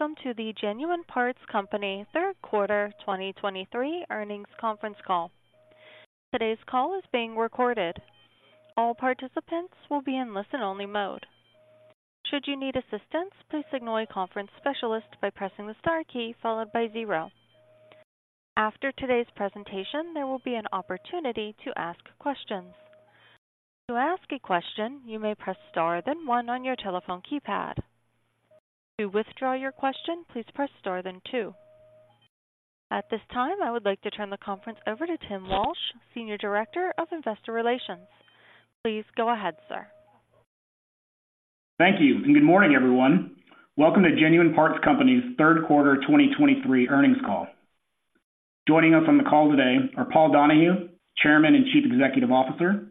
Welcome to the Genuine Parts Company third quarter 2023 earnings conference call. Today's call is being recorded. All participants will be in listen-only mode. Should you need assistance, please signal a conference specialist by pressing the star key followed by zero. After today's presentation, there will be an opportunity to ask questions. To ask a question, you may press star, then one on your telephone keypad. To withdraw your question, please press star, then two. At this time, I would like to turn the conference over to Tim Walsh, Senior Director of Investor Relations. Please go ahead, sir. Thank you, and good morning, everyone. Welcome to Genuine Parts Company's third quarter 2023 earnings call. Joining us on the call today are Paul Donahue, Chairman and Chief Executive Officer,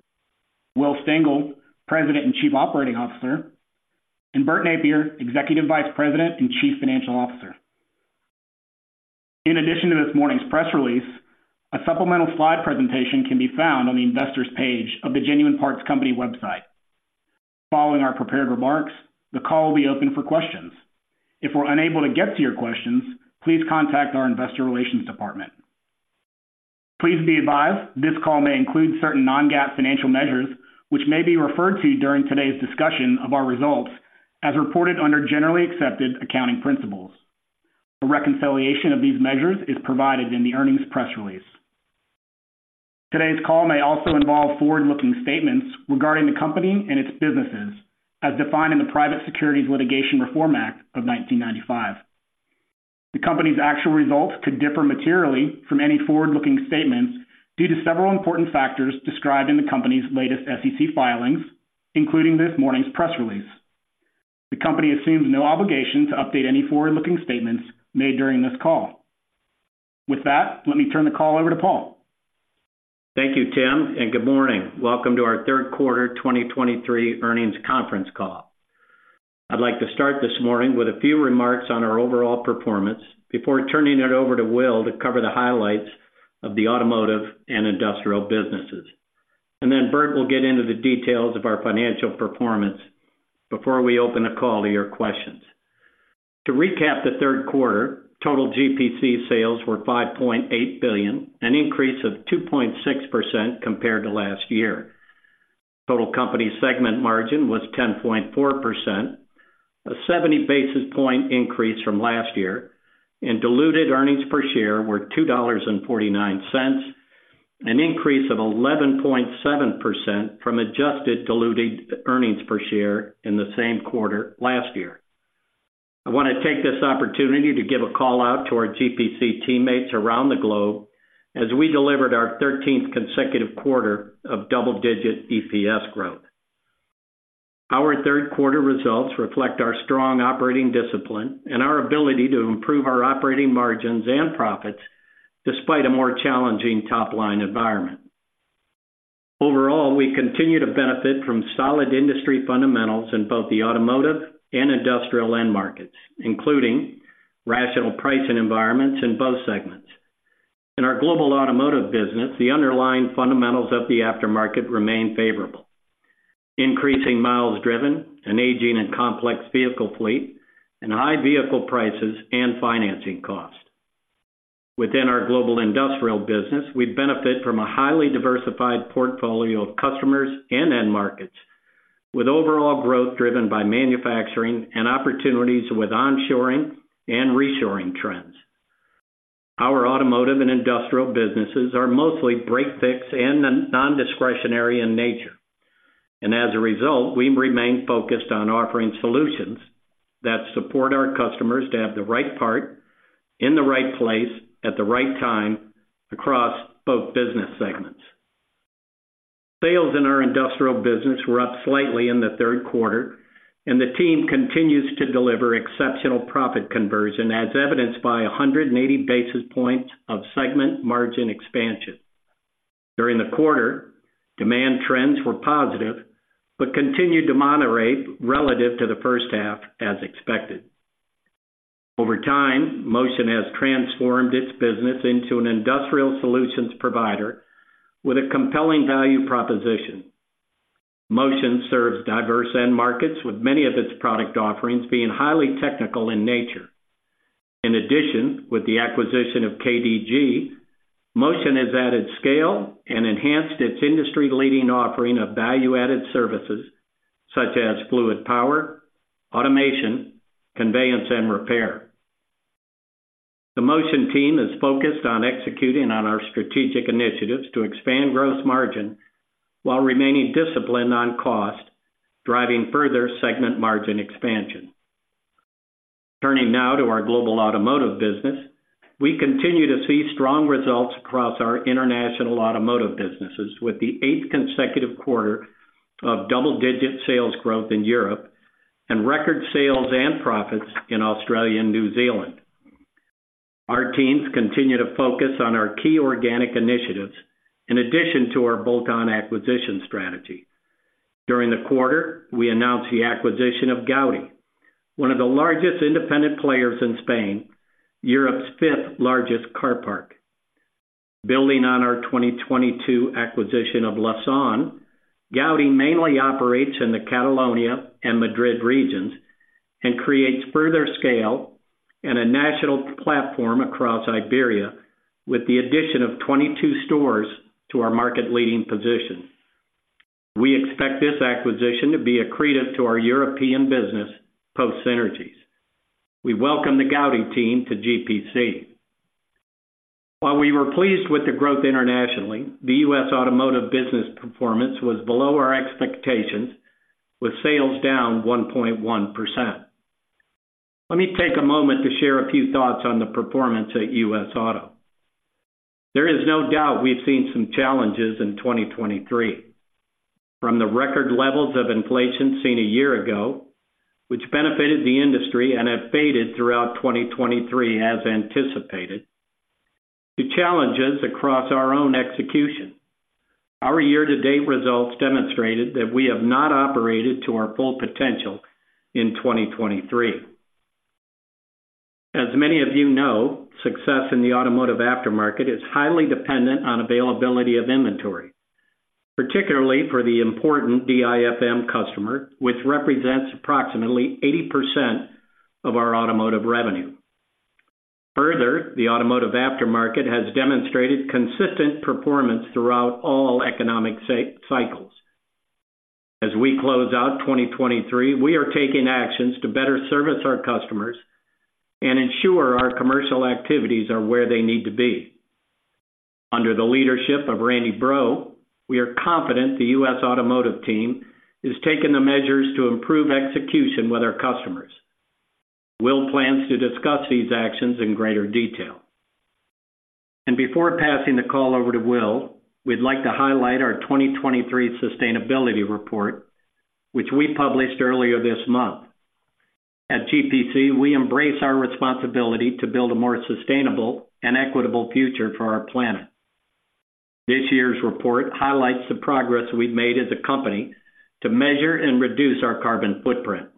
Will Stengel, President and Chief Operating Officer, and Bert Nappier, Executive Vice President and Chief Financial Officer. In addition to this morning's press release, a supplemental slide presentation can be found on the Investors page of the Genuine Parts Company website. Following our prepared remarks, the call will be open for questions. If we're unable to get to your questions, please contact our Investor Relations department. Please be advised, this call may include certain non-GAAP financial measures, which may be referred to during today's discussion of our results as reported under generally accepted accounting principles. A reconciliation of these measures is provided in the earnings press release. Today's call may also involve forward-looking statements regarding the company and its businesses, as defined in the Private Securities Litigation Reform Act of 1995. The company's actual results could differ materially from any forward-looking statements due to several important factors described in the company's latest SEC filings, including this morning's press release. The company assumes no obligation to update any forward-looking statements made during this call. With that, let me turn the call over to Paul. Thank you, Tim, and good morning. Welcome to our third quarter 2023 earnings conference call. I'd like to start this morning with a few remarks on our overall performance before turning it over to Will to cover the highlights of the automotive and industrial businesses. And then Bert will get into the details of our financial performance before we open the call to your questions. To recap, the third quarter, total GPC sales were $5.8 billion, an increase of 2.6% compared to last year. Total company segment margin was 10.4%, a 70 basis point increase from last year, and diluted earnings per share were $2.49, an increase of 11.7% from adjusted diluted earnings per share in the same quarter last year. I want to take this opportunity to give a call out to our GPC teammates around the globe as we delivered our 13th consecutive quarter of double-digit EPS growth. Our third quarter results reflect our strong operating discipline and our ability to improve our operating margins and profits, despite a more challenging top-line environment. Overall, we continue to benefit from solid industry fundamentals in both the automotive and industrial end markets, including rational pricing environments in both segments. In our global automotive business, the underlying fundamentals of the aftermarket remain favorable, increasing miles driven, an aging and complex vehicle fleet, and high vehicle prices and financing costs. Within our global industrial business, we benefit from a highly diversified portfolio of customers and end markets, with overall growth driven by manufacturing and opportunities with onshoring and reshoring trends. Our automotive and industrial businesses are mostly break-fix and non-discretionary in nature. As a result, we remain focused on offering solutions that support our customers to have the right part, in the right place, at the right time across both business segments. Sales in our industrial business were up slightly in the third quarter, and the team continues to deliver exceptional profit conversion, as evidenced by 180 basis points of segment margin expansion. During the quarter, demand trends were positive, but continued to moderate relative to the first half, as expected. Over time, Motion has transformed its business into an industrial solutions provider with a compelling value proposition. Motion serves diverse end markets, with many of its product offerings being highly technical in nature. In addition, with the acquisition of KDG, Motion has added scale and enhanced its industry-leading offering of value-added services such as fluid power, automation, conveyance, and repair. The Motion team is focused on executing on our strategic initiatives to expand gross margin while remaining disciplined on cost, driving further segment margin expansion. Turning now to our global automotive business, we continue to see strong results across our international automotive businesses, with the eighth consecutive quarter of double-digit sales growth in Europe and record sales and profits in Australia and New Zealand. Our teams continue to focus on our key organic initiatives in addition to our bolt-on acquisition strategy. During the quarter, we announced the acquisition of Gaudi, one of the largest independent players in Spain, Europe's fifth-largest car park. Building on our 2022 acquisition of Lausan, Gaudi mainly operates in the Catalonia and Madrid regions and creates further scale and a national platform across Iberia, with the addition of 22 stores to our market-leading position. We expect this acquisition to be accretive to our European business post synergies. We welcome the Gaudi team to GPC. While we were pleased with the growth internationally, the U.S. Automotive business performance was below our expectations, with sales down 1.1%. Let me take a moment to share a few thoughts on the performance at U.S. Auto. There is no doubt we've seen some challenges in 2023, from the record levels of inflation seen a year ago, which benefited the industry and have faded throughout 2023 as anticipated, to challenges across our own execution. Our year-to-date results demonstrated that we have not operated to our full potential in 2023. As many of you know, success in the automotive aftermarket is highly dependent on availability of inventory, particularly for the important DIFM customer, which represents approximately 80% of our automotive revenue. Further, the automotive aftermarket has demonstrated consistent performance throughout all economic cycles. As we close out 2023, we are taking actions to better service our customers and ensure our commercial activities are where they need to be. Under the leadership of Randy Breaux, we are confident the U.S. Automotive team has taken the measures to improve execution with our customers. Will plans to discuss these actions in greater detail. Before passing the call over to Will, we'd like to highlight our 2023 sustainability report, which we published earlier this month. At GPC, we embrace our responsibility to build a more sustainable and equitable future for our planet. This year's report highlights the progress we've made as a company to measure and reduce our carbon footprint.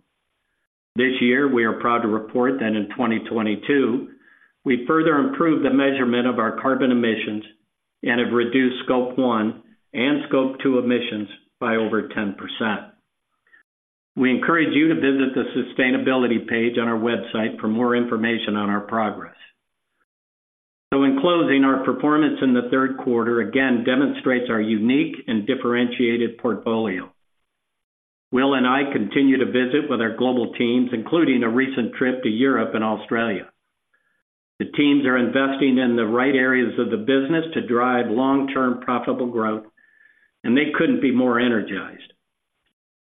This year, we are proud to report that in 2022, we further improved the measurement of our carbon emissions and have reduced Scope 1 and scope two emissions by over 10%. We encourage you to visit the sustainability page on our website for more information on our progress. So in closing, our performance in the third quarter again demonstrates our unique and differentiated portfolio. Will and I continue to visit with our global teams, including a recent trip to Europe and Australia. The teams are investing in the right areas of the business to drive long-term profitable growth, and they couldn't be more energized.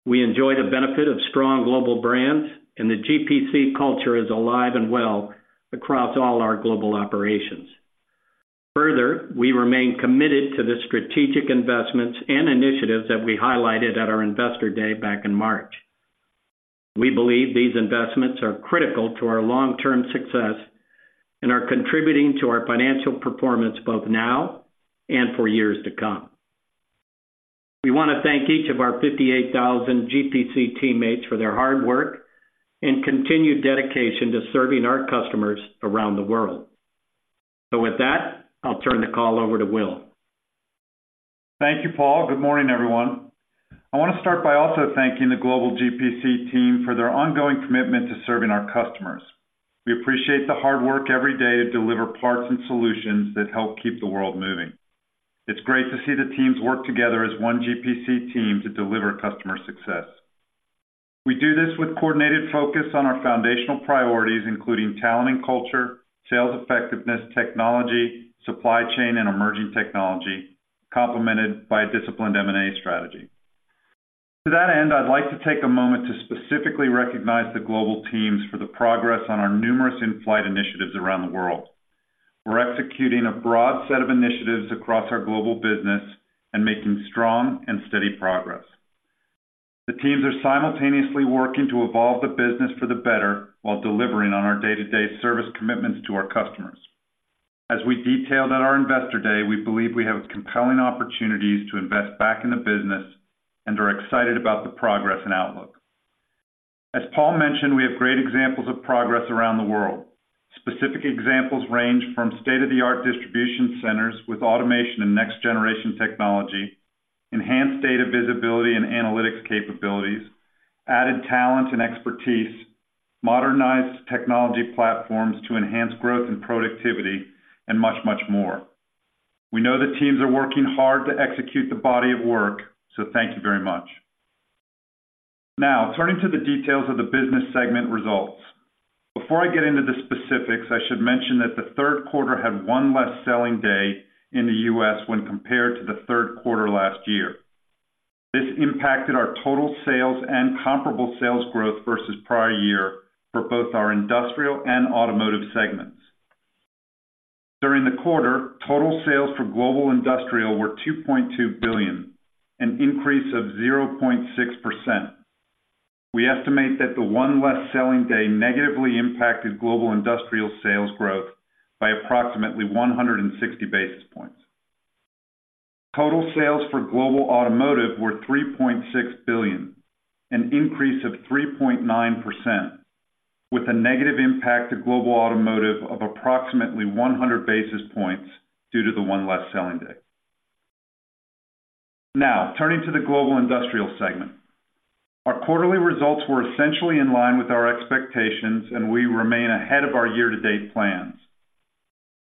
We enjoy the benefit of strong global brands, and the GPC culture is alive and well across all our global operations. Further, we remain committed to the strategic investments and initiatives that we highlighted at our Investor Day back in March. We believe these investments are critical to our long-term success and are contributing to our financial performance both now and for years to come. We want to thank each of our 58,000 GPC teammates for their hard work and continued dedication to serving our customers around the world. With that, I'll turn the call over to Will. Thank you, Paul. Good morning, everyone. I want to start by also thanking the global GPC team for their ongoing commitment to serving our customers. We appreciate the hard work every day to deliver parts and solutions that help keep the world moving. It's great to see the teams work together as one GPC team to deliver customer success. We do this with coordinated focus on our foundational priorities, including talent and culture, sales effectiveness, technology, supply chain, and emerging technology, complemented by a disciplined M&A strategy. To that end, I'd like to take a moment to specifically recognize the global teams for the progress on our numerous in-flight initiatives around the world. We're executing a broad set of initiatives across our global business and making strong and steady progress. The teams are simultaneously working to evolve the business for the better while delivering on our day-to-day service commitments to our customers. As we detailed at our Investor Day, we believe we have compelling opportunities to invest back in the business and are excited about the progress and outlook. As Paul mentioned, we have great examples of progress around the world. Specific examples range from state-of-the-art distribution centers with automation and next-generation technology, enhanced data visibility and analytics capabilities, added talent and expertise, modernized technology platforms to enhance growth and productivity, and much, much more. We know the teams are working hard to execute the body of work, so thank you very much. Now, turning to the details of the business segment results. Before I get into the specifics, I should mention that the third quarter had one less selling day in the U.S. when compared to the third quarter last year. This impacted our total sales and comparable sales growth versus prior year for both our industrial and automotive segments. During the quarter, total sales for global industrial were $2.2 billion, an increase of 0.6%. We estimate that the one less selling day negatively impacted global industrial sales growth by approximately 160 basis points. Total sales for global automotive were $3.6 billion, an increase of 3.9%, with a negative impact to global automotive of approximately 100 basis points due to the one less selling day. Now, turning to the global industrial segment. Our quarterly results were essentially in line with our expectations, and we remain ahead of our year-to-date plans.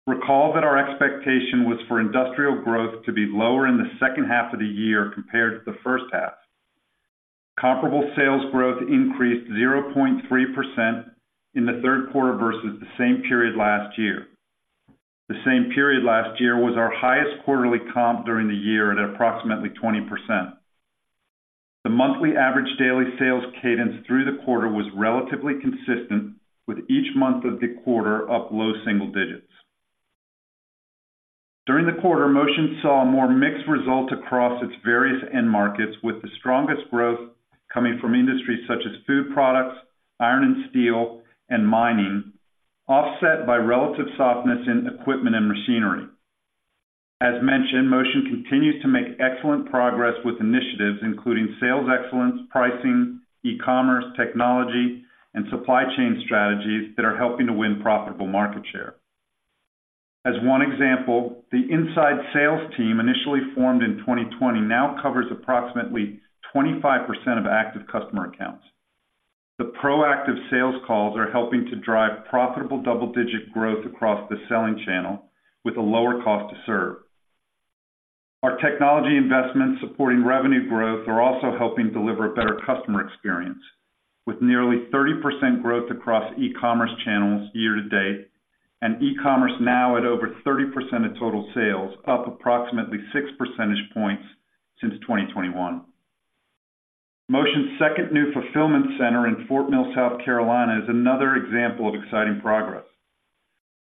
Recall that our expectation was for industrial growth to be lower in the second half of the year compared to the first half. Comparable sales growth increased 0.3% in the third quarter versus the same period last year. The same period last year was our highest quarterly comp during the year, at approximately 20%. The monthly average daily sales cadence through the quarter was relatively consistent, with each month of the quarter up low single digits. During the quarter, Motion saw a more mixed result across its various end markets, with the strongest growth coming from industries such as food products, iron and steel, and mining, offset by relative softness in equipment and machinery. As mentioned, Motion continues to make excellent progress with initiatives, including sales excellence, pricing, e-commerce, technology, and supply chain strategies that are helping to win profitable market share. As one example, the inside sales team, initially formed in 2020, now covers approximately 25% of active customer accounts. The proactive sales calls are helping to drive profitable double-digit growth across the selling channel with a lower cost to serve. Our technology investments supporting revenue growth are also helping deliver a better customer experience, with nearly 30% growth across e-commerce channels year to date, and e-commerce now at over 30% of total sales, up approximately 6 percentage points since 2021. Motion's second new fulfillment center in Fort Mill, South Carolina, is another example of exciting progress.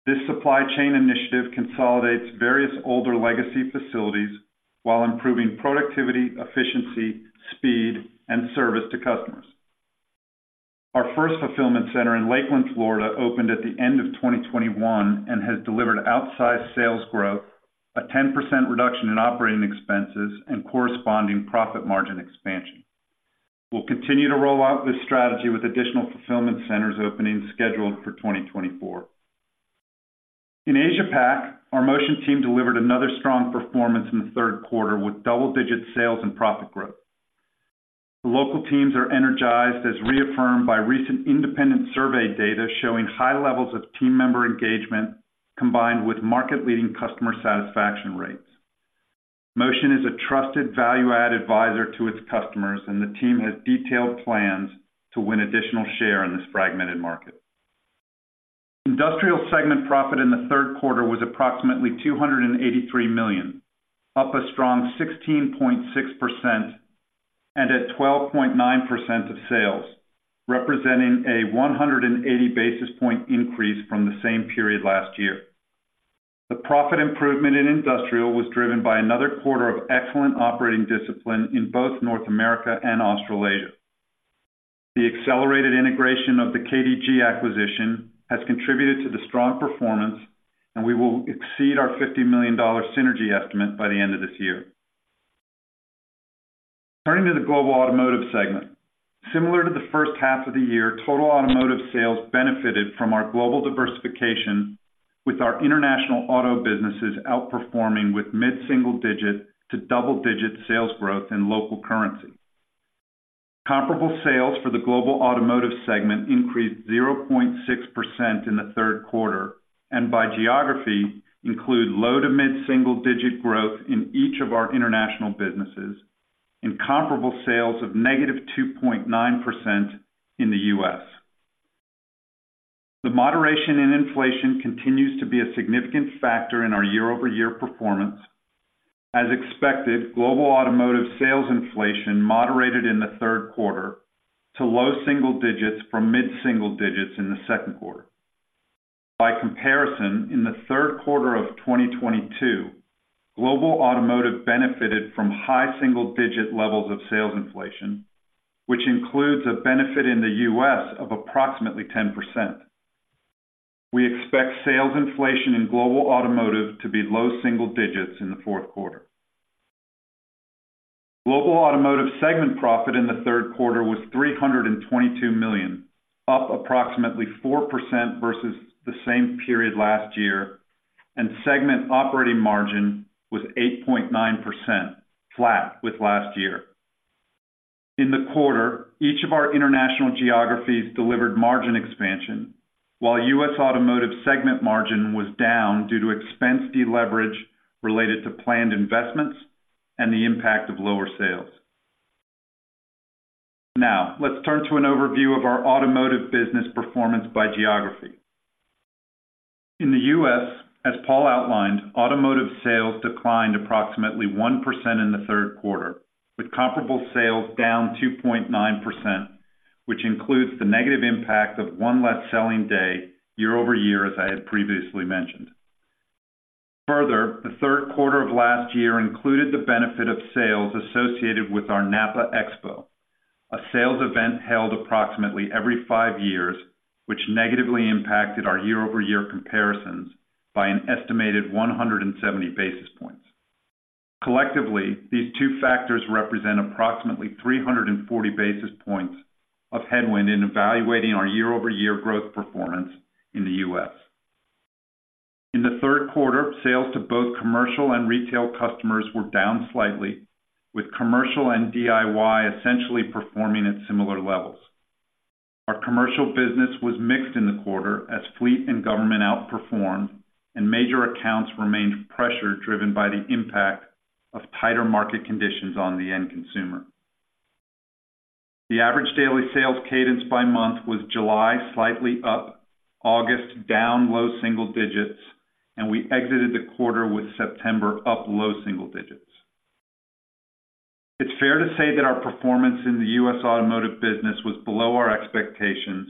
This supply chain initiative consolidates various older legacy facilities while improving productivity, efficiency, speed, and service to customers. Our first fulfillment center in Lakeland, Florida, opened at the end of 2021 and has delivered outsized sales growth, a 10% reduction in operating expenses, and corresponding profit margin expansion. We'll continue to roll out this strategy with additional fulfillment centers opening scheduled for 2024. In Asia-Pac, our Motion team delivered another strong performance in the third quarter, with double-digit sales and profit growth. The local teams are energized, as reaffirmed by recent independent survey data showing high levels of team member engagement combined with market-leading customer satisfaction rates. Motion is a trusted value-add advisor to its customers, and the team has detailed plans to win additional share in this fragmented market. Industrial segment profit in the third quarter was approximately $283 million, up a strong 16.6% and at 12.9% of sales, representing a 180 basis point increase from the same period last year. The profit improvement in industrial was driven by another quarter of excellent operating discipline in both North America and Australasia. The accelerated integration of the KDG acquisition has contributed to the strong performance, and we will exceed our $50 million synergy estimate by the end of this year. Turning to the global automotive segment. Similar to the first half of the year, total automotive sales benefited from our global diversification, with our international auto businesses outperforming with mid-single-digit to double-digit sales growth in local currency. Comparable sales for the global automotive segment increased 0.6% in the third quarter, and by geography, include low- to mid-single-digit growth in each of our international businesses and comparable sales of -2.9% in the U.S. The moderation in inflation continues to be a significant factor in our year-over-year performance. As expected, global automotive sales inflation moderated in the third quarter to low single digits from mid-single digits in the second quarter. By comparison, in the third quarter of 2022, global automotive benefited from high single-digit levels of sales inflation, which includes a benefit in the U.S. of approximately 10%. We expect sales inflation in global automotive to be low single digits in the fourth quarter. Global automotive segment profit in the third quarter was $322 million, up approximately 4% versus the same period last year, and segment operating margin was 8.9%, flat with last year. In the quarter, each of our international geographies delivered margin expansion, while U.S. Automotive segment margin was down due to expense deleverage related to planned investments and the impact of lower sales. Now, let's turn to an overview of our automotive business performance by geography. In the U.S., as Paul outlined, automotive sales declined approximately 1% in the third quarter, with comparable sales down 2.9%, which includes the negative impact of one less selling day year-over-year, as I had previously mentioned. Further, the third quarter of last year included the benefit of sales associated with our NAPA Expo, a sales event held approximately every five years, which negatively impacted our year-over-year comparisons by an estimated 170 basis points. Collectively, these two factors represent approximately 340 basis points of headwind in evaluating our year-over-year growth performance in the U.S. In the third quarter, sales to both commercial and retail customers were down slightly, with commercial and DIY essentially performing at similar levels. Our commercial business was mixed in the quarter as fleet and government outperformed, and major accounts remained pressured, driven by the impact of tighter market conditions on the end consumer. The average daily sales cadence by month was July, slightly up, August, down low single digits, and we exited the quarter with September up low single digits. It's fair to say that our performance in the U.S. Automotive business was below our expectations,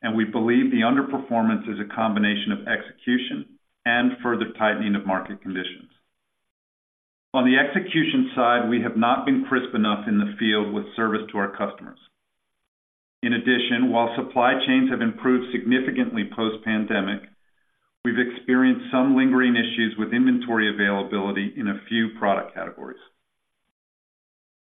and we believe the underperformance is a combination of execution and further tightening of market conditions. On the execution side, we have not been crisp enough in the field with service to our customers. In addition, while supply chains have improved significantly post-pandemic, we've experienced some lingering issues with inventory availability in a few product categories.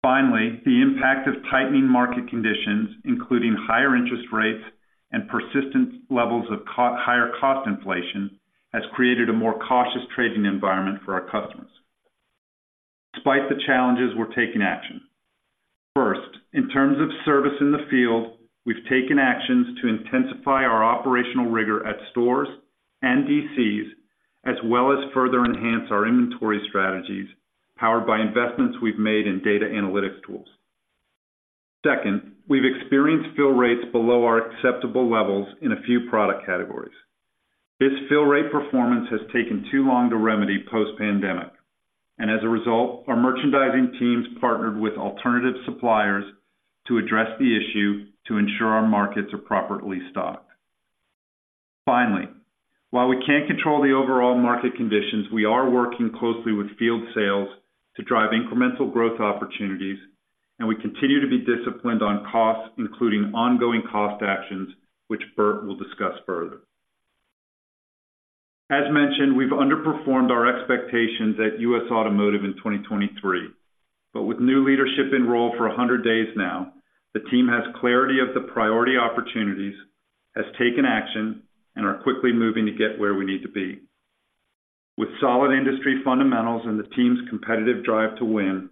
Finally, the impact of tightening market conditions, including higher interest rates and persistent levels of higher cost inflation, has created a more cautious trading environment for our customers. Despite the challenges, we're taking action. First, in terms of service in the field, we've taken actions to intensify our operational rigor at stores and DCs, as well as further enhance our inventory strategies, powered by investments we've made in data analytics tools. Second, we've experienced fill rates below our acceptable levels in a few product categories. This fill rate performance has taken too long to remedy post-pandemic, and as a result, our merchandising teams partnered with alternative suppliers to address the issue to ensure our markets are properly stocked. Finally, while we can't control the overall market conditions, we are working closely with field sales to drive incremental growth opportunities, and we continue to be disciplined on costs, including ongoing cost actions, which Bert will discuss further. As mentioned, we've underperformed our expectations at U.S. Automotive in 2023, but with new leadership in role for 100 days now, the team has clarity of the priority opportunities, has taken action, and are quickly moving to get where we need to be. With solid industry fundamentals and the team's competitive drive to win,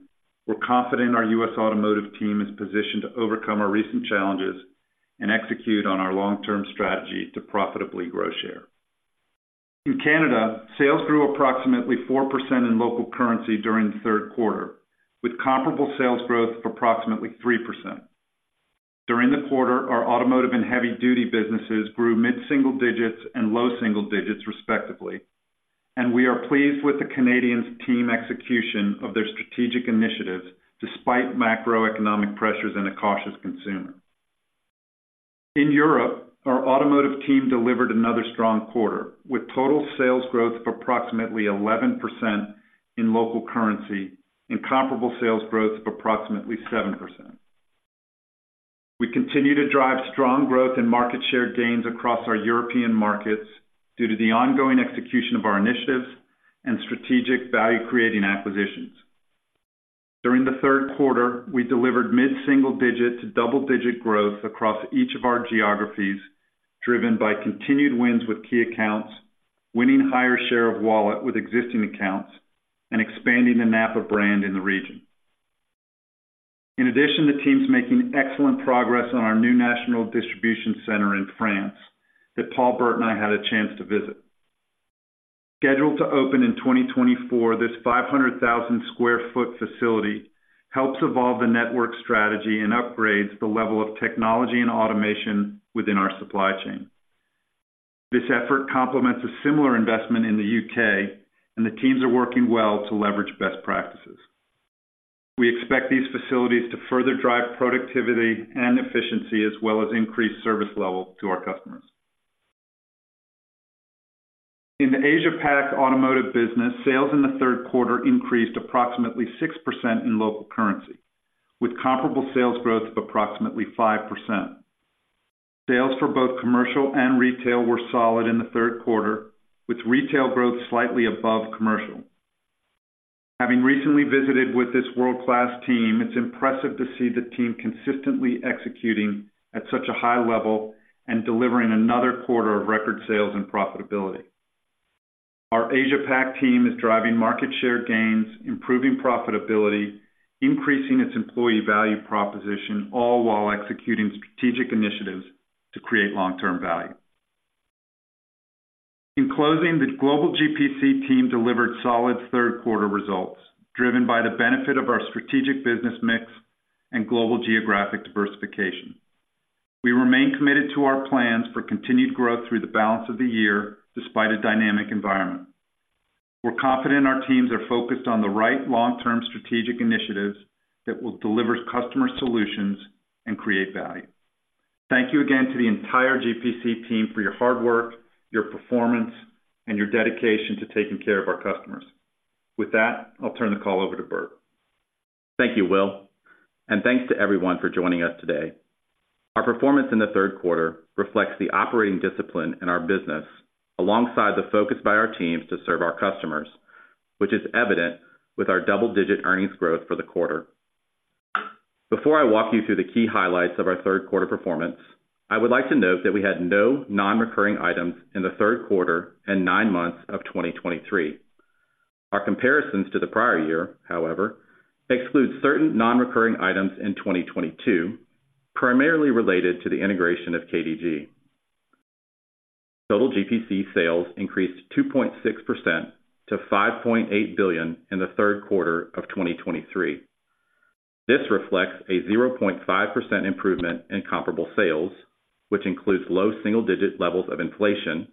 we're confident our U.S. Automotive team is positioned to overcome our recent challenges and execute on our long-term strategy to profitably grow share. In Canada, sales grew approximately 4% in local currency during the third quarter, with comparable sales growth of approximately 3%. During the quarter, our automotive and heavy-duty businesses grew mid-single digits and low double digits, respectively, and we are pleased with the Canadian team's execution of their strategic initiatives despite macroeconomic pressures and a cautious consumer. In Europe, our automotive team delivered another strong quarter, with total sales growth of approximately 11% in local currency and comparable sales growth of approximately 7%. We continue to drive strong growth and market share gains across our European markets due to the ongoing execution of our initiatives and strategic value-creating acquisitions. During the third quarter, we delivered mid-single digit to double-digit growth across each of our geographies, driven by continued wins with key accounts, winning higher share of wallet with existing accounts, and expanding the NAPA brand in the region. In addition, the team's making excellent progress on our new national distribution center in France that Paul, Bert, and I had a chance to visit. Scheduled to open in 2024, this 500,000 sq ft facility helps evolve the network strategy and upgrades the level of technology and automation within our supply chain. This effort complements a similar investment in the U.K., and the teams are working well to leverage best practices. We expect these facilities to further drive productivity and efficiency, as well as increase service level to our customers. In the Asia-Pac Automotive business, sales in the third quarter increased approximately 6% in local currency, with comparable sales growth of approximately 5%. Sales for both commercial and retail were solid in the third quarter, with retail growth slightly above commercial. Having recently visited with this world-class team, it's impressive to see the team consistently executing at such a high level and delivering another quarter of record sales and profitability. Our Asia-Pac team is driving market share gains, improving profitability, increasing its employee value proposition, all while executing strategic initiatives to create long-term value. In closing, the global GPC team delivered solid third quarter results, driven by the benefit of our strategic business mix and global geographic diversification. We remain committed to our plans for continued growth through the balance of the year, despite a dynamic environment. We're confident our teams are focused on the right long-term strategic initiatives that will deliver customer solutions and create value. Thank you again to the entire GPC team for your hard work, your performance, and your dedication to taking care of our customers. With that, I'll turn the call over to Bert. Thank you, Will, and thanks to everyone for joining us today. Our performance in the third quarter reflects the operating discipline in our business, alongside the focus by our teams to serve our customers, which is evident with our double-digit earnings growth for the quarter. Before I walk you through the key highlights of our third quarter performance, I would like to note that we had no non-recurring items in the third quarter and nine months of 2023. Our comparisons to the prior year, however, excludes certain non-recurring items in 2022, primarily related to the integration of KDG. Total GPC sales increased 2.6% to $5.8 billion in the third quarter of 2023. This reflects a 0.5% improvement in comparable sales, which includes low single-digit levels of inflation,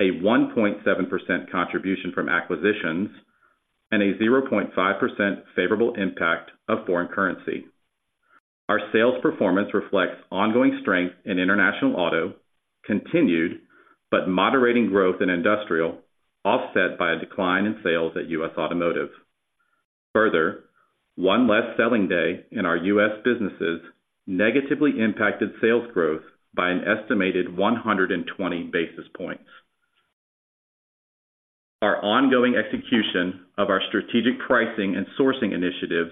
a 1.7% contribution from acquisitions, and a 0.5% favorable impact of foreign currency. Our sales performance reflects ongoing strength in international auto, continued but moderating growth in industrial, offset by a decline in sales at U.S. Automotive. Further, one less selling day in our U.S. businesses negatively impacted sales growth by an estimated 120 basis points. Our ongoing execution of our strategic pricing and sourcing initiatives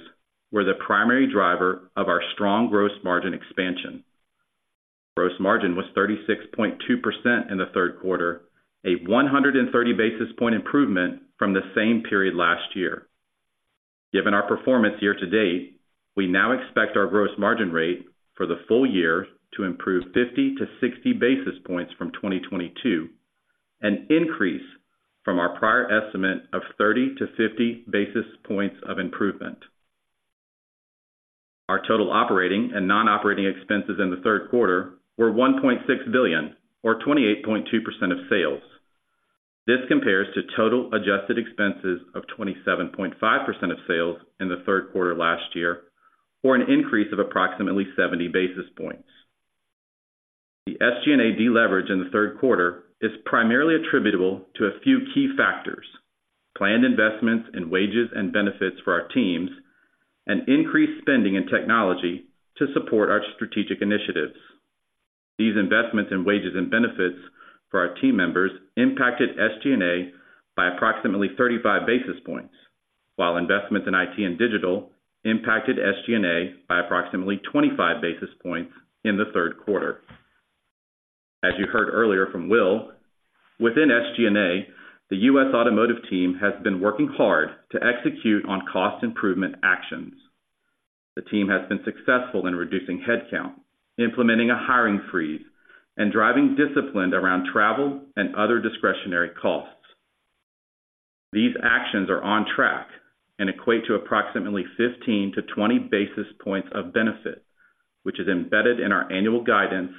were the primary driver of our strong gross margin expansion. Gross margin was 36.2% in the third quarter, a 130 basis point improvement from the same period last year. Given our performance year-to-date, we now expect our gross margin rate for the full year to improve 50 basis points-60 basis points from 2022, an increase from our prior estimate of 30 basis points-50 basis points of improvement. Our total operating and non-operating expenses in the third quarter were $1.6 billion, or 28.2% of sales. This compares to total adjusted expenses of 27.5% of sales in the third quarter last year, or an increase of approximately 70 basis points. The SG&A deleverage in the third quarter is primarily attributable to a few key factors: planned investments in wages and benefits for our teams, and increased spending in technology to support our strategic initiatives. These investments in wages and benefits for our team members impacted SG&A by approximately 35 basis points, while investments in IT and digital impacted SG&A by approximately 25 basis points in the third quarter. As you heard earlier from Will, within SG&A, the U.S. Automotive team has been working hard to execute on cost improvement actions. The team has been successful in reducing headcount, implementing a hiring freeze, and driving discipline around travel and other discretionary costs. These actions are on track and equate to approximately 15 basis points-20 basis points of benefit, which is embedded in our annual guidance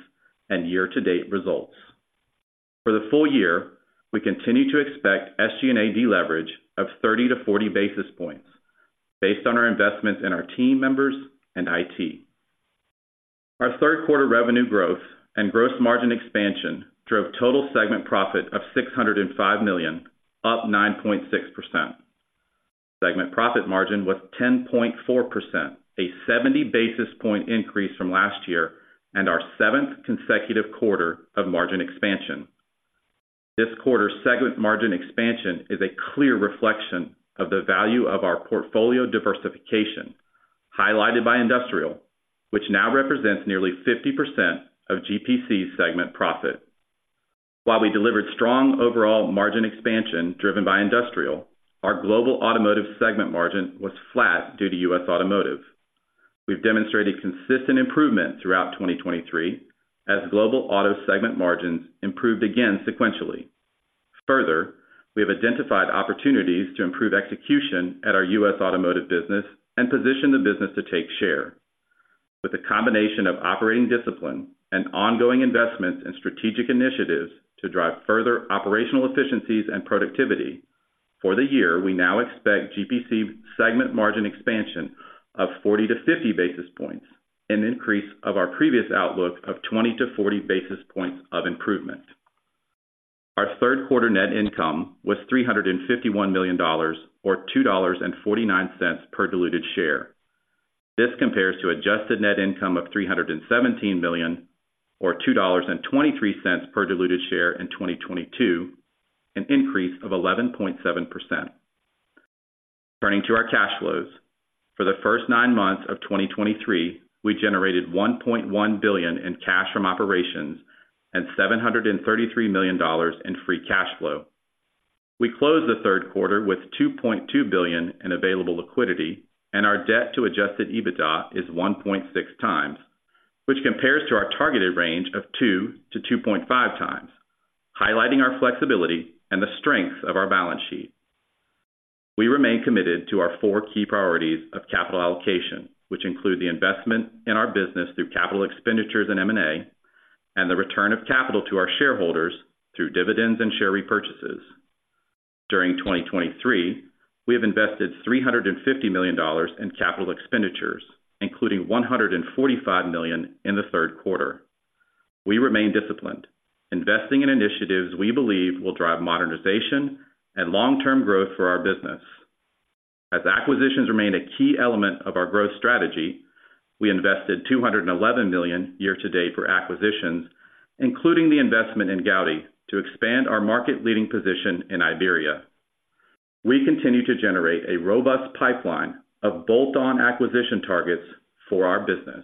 and year-to-date results. For the full year, we continue to expect SG&A deleverage of 30 basis points-40 basis points based on our investments in our team members and IT. Our third quarter revenue growth and gross margin expansion drove total segment profit of $605 million, up 9.6%. Segment profit margin was 10.4%, a 70 basis point increase from last year, and our seventh consecutive quarter of margin expansion. This quarter's segment margin expansion is a clear reflection of the value of our portfolio diversification, highlighted by Industrial, which now represents nearly 50% of GPC's segment profit. While we delivered strong overall margin expansion driven by Industrial, our Global Automotive segment margin was flat due to U.S. Automotive. We've demonstrated consistent improvement throughout 2023 as Global Auto segment margins improved again sequentially. Further, we have identified opportunities to improve execution at our U.S. Automotive business and position the business to take share. With a combination of operating discipline and ongoing investments in strategic initiatives to drive further operational efficiencies and productivity, for the year, we now expect GPC segment margin expansion of 40 basis points-50 basis points, an increase of our previous outlook of 20 basis points-40 basis points of improvement. Our third quarter net income was $351 million, or $2.49 per diluted share. This compares to adjusted net income of $317 million, or $2.23 per diluted share in 2022, an increase of 11.7%. Turning to our cash flows. For the first nine months of 2023, we generated $1.1 billion in cash from operations and $733 million in free cash flow. We closed the third quarter with $2.2 billion in available liquidity, and our debt to adjusted EBITDA is 1.6x, which compares to our targeted range of 2x-2.5x, highlighting our flexibility and the strength of our balance sheet. We remain committed to our four key priorities of capital allocation, which include the investment in our business through capital expenditures and M&A, and the return of capital to our shareholders through dividends and share repurchases. During 2023, we have invested $350 million in capital expenditures, including $145 million in the third quarter. We remain disciplined, investing in initiatives we believe will drive modernization and long-term growth for our business. As acquisitions remain a key element of our growth strategy, we invested $211 million year-to-date for acquisitions, including the investment in Gaudi, to expand our market-leading position in Iberia. We continue to generate a robust pipeline of bolt-on acquisition targets for our business.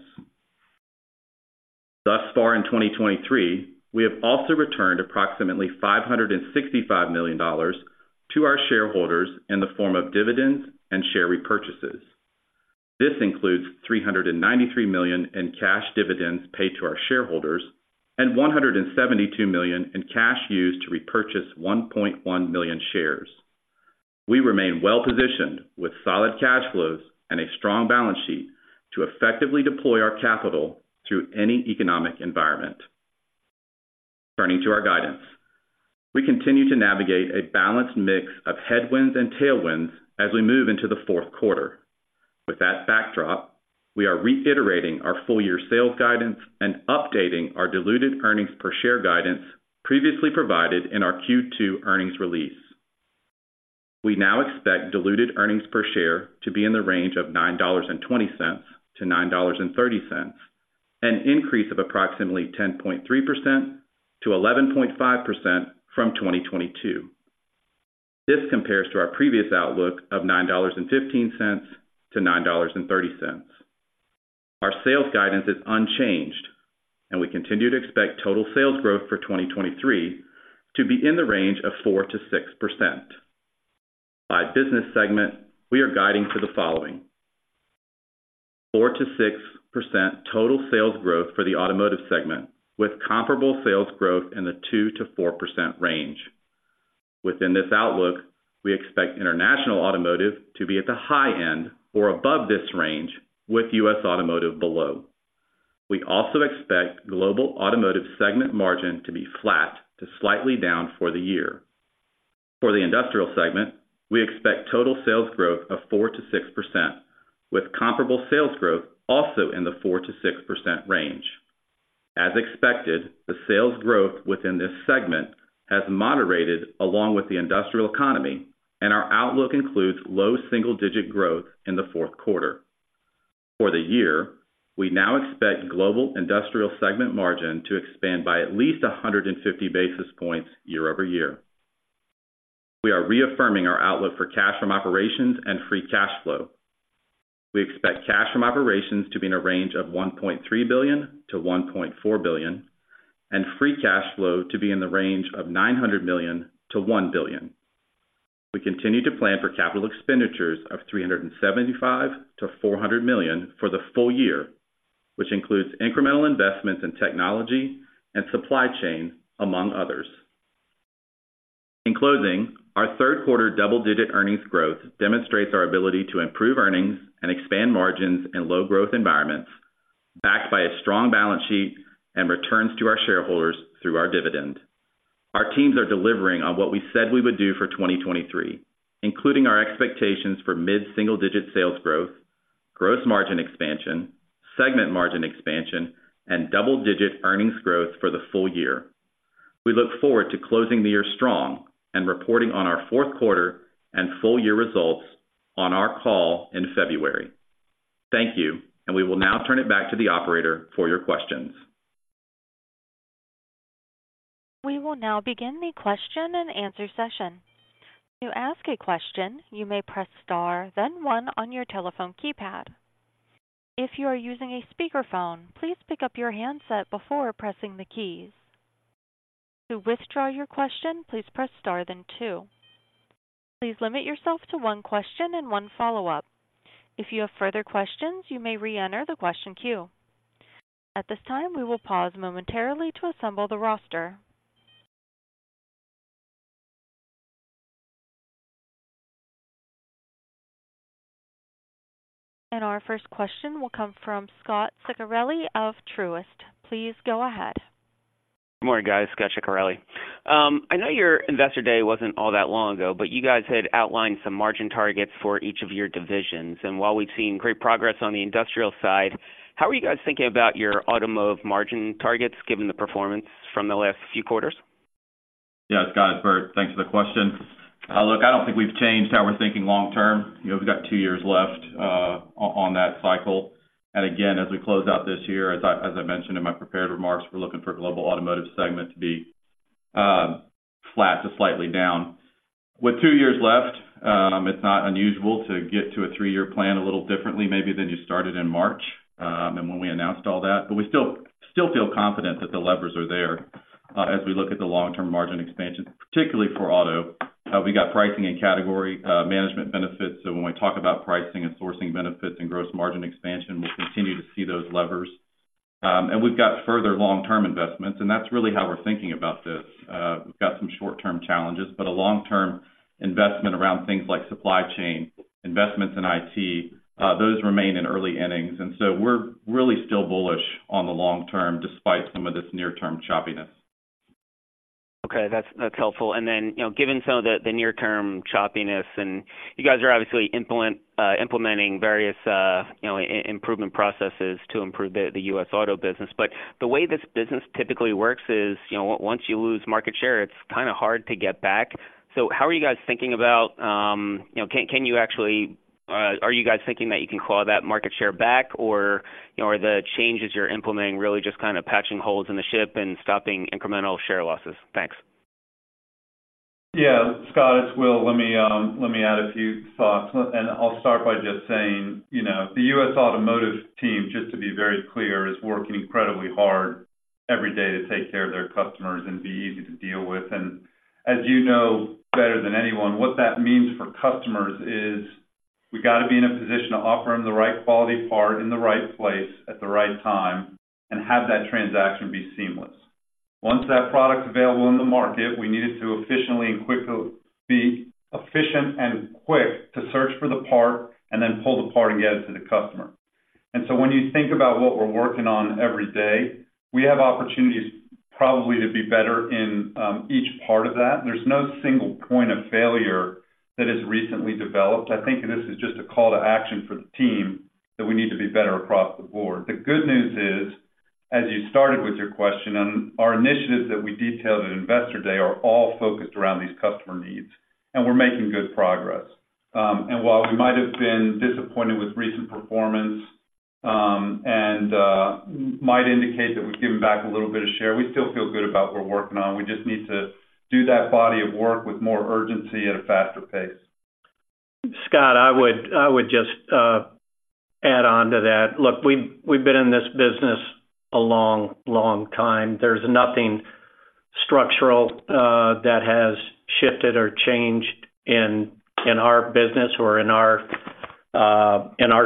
Thus far in 2023, we have also returned approximately $565 million to our shareholders in the form of dividends and share repurchases. This includes $393 million in cash dividends paid to our shareholders and $172 million in cash used to repurchase 1.1 million shares. We remain well-positioned with solid cash flows and a strong balance sheet to effectively deploy our capital through any economic environment. Turning to our guidance. We continue to navigate a balanced mix of headwinds and tailwinds as we move into the fourth quarter. With that backdrop, we are reiterating our full-year sales guidance and updating our diluted earnings per share guidance previously provided in our Q2 earnings release. We now expect diluted earnings per share to be in the range of $9.20-$9.30, an increase of approximately 10.3%-11.5% from 2022. This compares to our previous outlook of $9.15-$9.30. Our sales guidance is unchanged, and we continue to expect total sales growth for 2023 to be in the range of 4%-6%. By business segment, we are guiding for the following: 4%-6% total sales growth for the automotive segment, with comparable sales growth in the 2%-4% range. Within this outlook, we expect international automotive to be at the high end or above this range, with U.S. Automotive below. We also expect global automotive segment margin to be flat to slightly down for the year. For the industrial segment, we expect total sales growth of 4%-6%, with comparable sales growth also in the 4%-6% range. As expected, the sales growth within this segment has moderated along with the industrial economy, and our outlook includes low single-digit growth in the fourth quarter. For the year, we now expect global industrial segment margin to expand by at least 150 basis points year-over-year. We are reaffirming our outlook for cash from operations and free cash flow. We expect cash from operations to be in a range of $1.3 billion-$1.4 billion, and free cash flow to be in the range of $900 million-$1 billion. We continue to plan for capital expenditures of $375 million-$400 million for the full year, which includes incremental investments in technology and supply chain, among others. In closing, our third quarter double-digit earnings growth demonstrates our ability to improve earnings and expand margins in low growth environments, backed by a strong balance sheet and returns to our shareholders through our dividend. Our teams are delivering on what we said we would do for 2023, including our expectations for mid-single-digit sales growth, gross margin expansion, segment margin expansion, and double-digit earnings growth for the full year. We look forward to closing the year strong and reporting on our fourth quarter and full year results on our call in February. Thank you, and we will now turn it back to the operator for your questions. We will now begin the question and answer session. To ask a question, you may press star, then one on your telephone keypad. If you are using a speakerphone, please pick up your handset before pressing the keys. To withdraw your question, please press star then two. Please limit yourself to one question and one follow-up. If you have further questions, you may reenter the question queue. At this time, we will pause momentarily to assemble the roster. Our first question will come from Scot Ciccarelli of Truist. Please go ahead. Good morning, guys. Scot Ciccarelli. I know your Investor Day wasn't all that long ago, but you guys had outlined some margin targets for each of your divisions, and while we've seen great progress on the industrial side, how are you guys thinking about your automotive margin targets, given the performance from the last few quarters? Yes, Scott, it's Bert. Thanks for the question. Look, I don't think we've changed how we're thinking long term. You know, we've got two years left, on that cycle. And again, as we close out this year, as I mentioned in my prepared remarks, we're looking for global automotive segment to be, flat to slightly down. With two years left, it's not unusual to get to a three-year plan a little differently maybe than you started in March, and when we announced all that, but we still feel confident that the levers are there, as we look at the long-term margin expansion, particularly for auto. We got pricing and category, management benefits. So when we talk about pricing and sourcing benefits and gross margin expansion, we'll continue to see those levers. We've got further long-term investments, and that's really how we're thinking about this. We've got some short-term challenges, but a long-term investment around things like supply chain, investments in IT, those remain in early innings, and so we're really still bullish on the long term, despite some of this near-term choppiness. Okay, that's helpful. And then, you know, given some of the near-term choppiness, and you guys are obviously implementing various, you know, improvement processes to improve the U.S. Auto business. But the way this business typically works is, you know, once you lose market share, it's kinda hard to get back. So how are you guys thinking about, you know, are you guys thinking that you can claw that market share back, or, you know, are the changes you're implementing really just kind of patching holes in the ship and stopping incremental share losses? Thanks. Yeah, Scott, it's Will. Let me let me add a few thoughts, and I'll start by just saying, you know, the U.S. Automotive team, just to be very clear, is working incredibly hard every day to take care of their customers and be easy to deal with. And as you know better than anyone, what that means for customers is we've got to be in a position to offer them the right quality part in the right place at the right time and have that transaction be seamless. Once that product's available in the market, we need it to efficiently and quickly, be efficient and quick to search for the part and then pull the part and get it to the customer. And so when you think about what we're working on every day, we have opportunities probably to be better in each part of that. There's no single point of failure that has recently developed. I think this is just a call to action for the team that we need to be better across the board. The good news is, as you started with your question, and our initiatives that we detailed at Investor Day are all focused around these customer needs, and we're making good progress. And while we might have been disappointed with recent performance, and might indicate that we've given back a little bit of share, we still feel good about what we're working on. We just need to do that body of work with more urgency at a faster pace. Scott, I would just add on to that. Look, we've been in this business a long, long time. There's nothing structural that has shifted or changed in our business or in our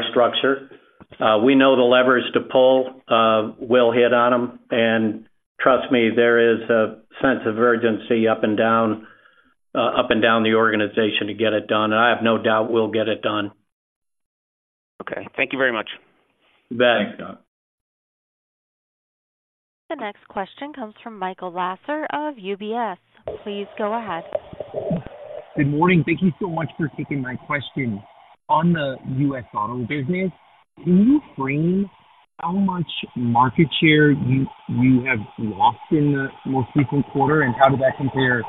structure. We know the levers to pull, we'll hit on them, and trust me, there is a sense of urgency up and down the organization to get it done. I have no doubt we'll get it done. Okay. Thank you very much. You bet. Thanks, Scott. The next question comes from Michael Lasser of UBS. Please go ahead. Good morning. Thank you so much for taking my question. On the U.S. Auto business, can you frame how much market share you have lost in the most recent quarter, and how does that compare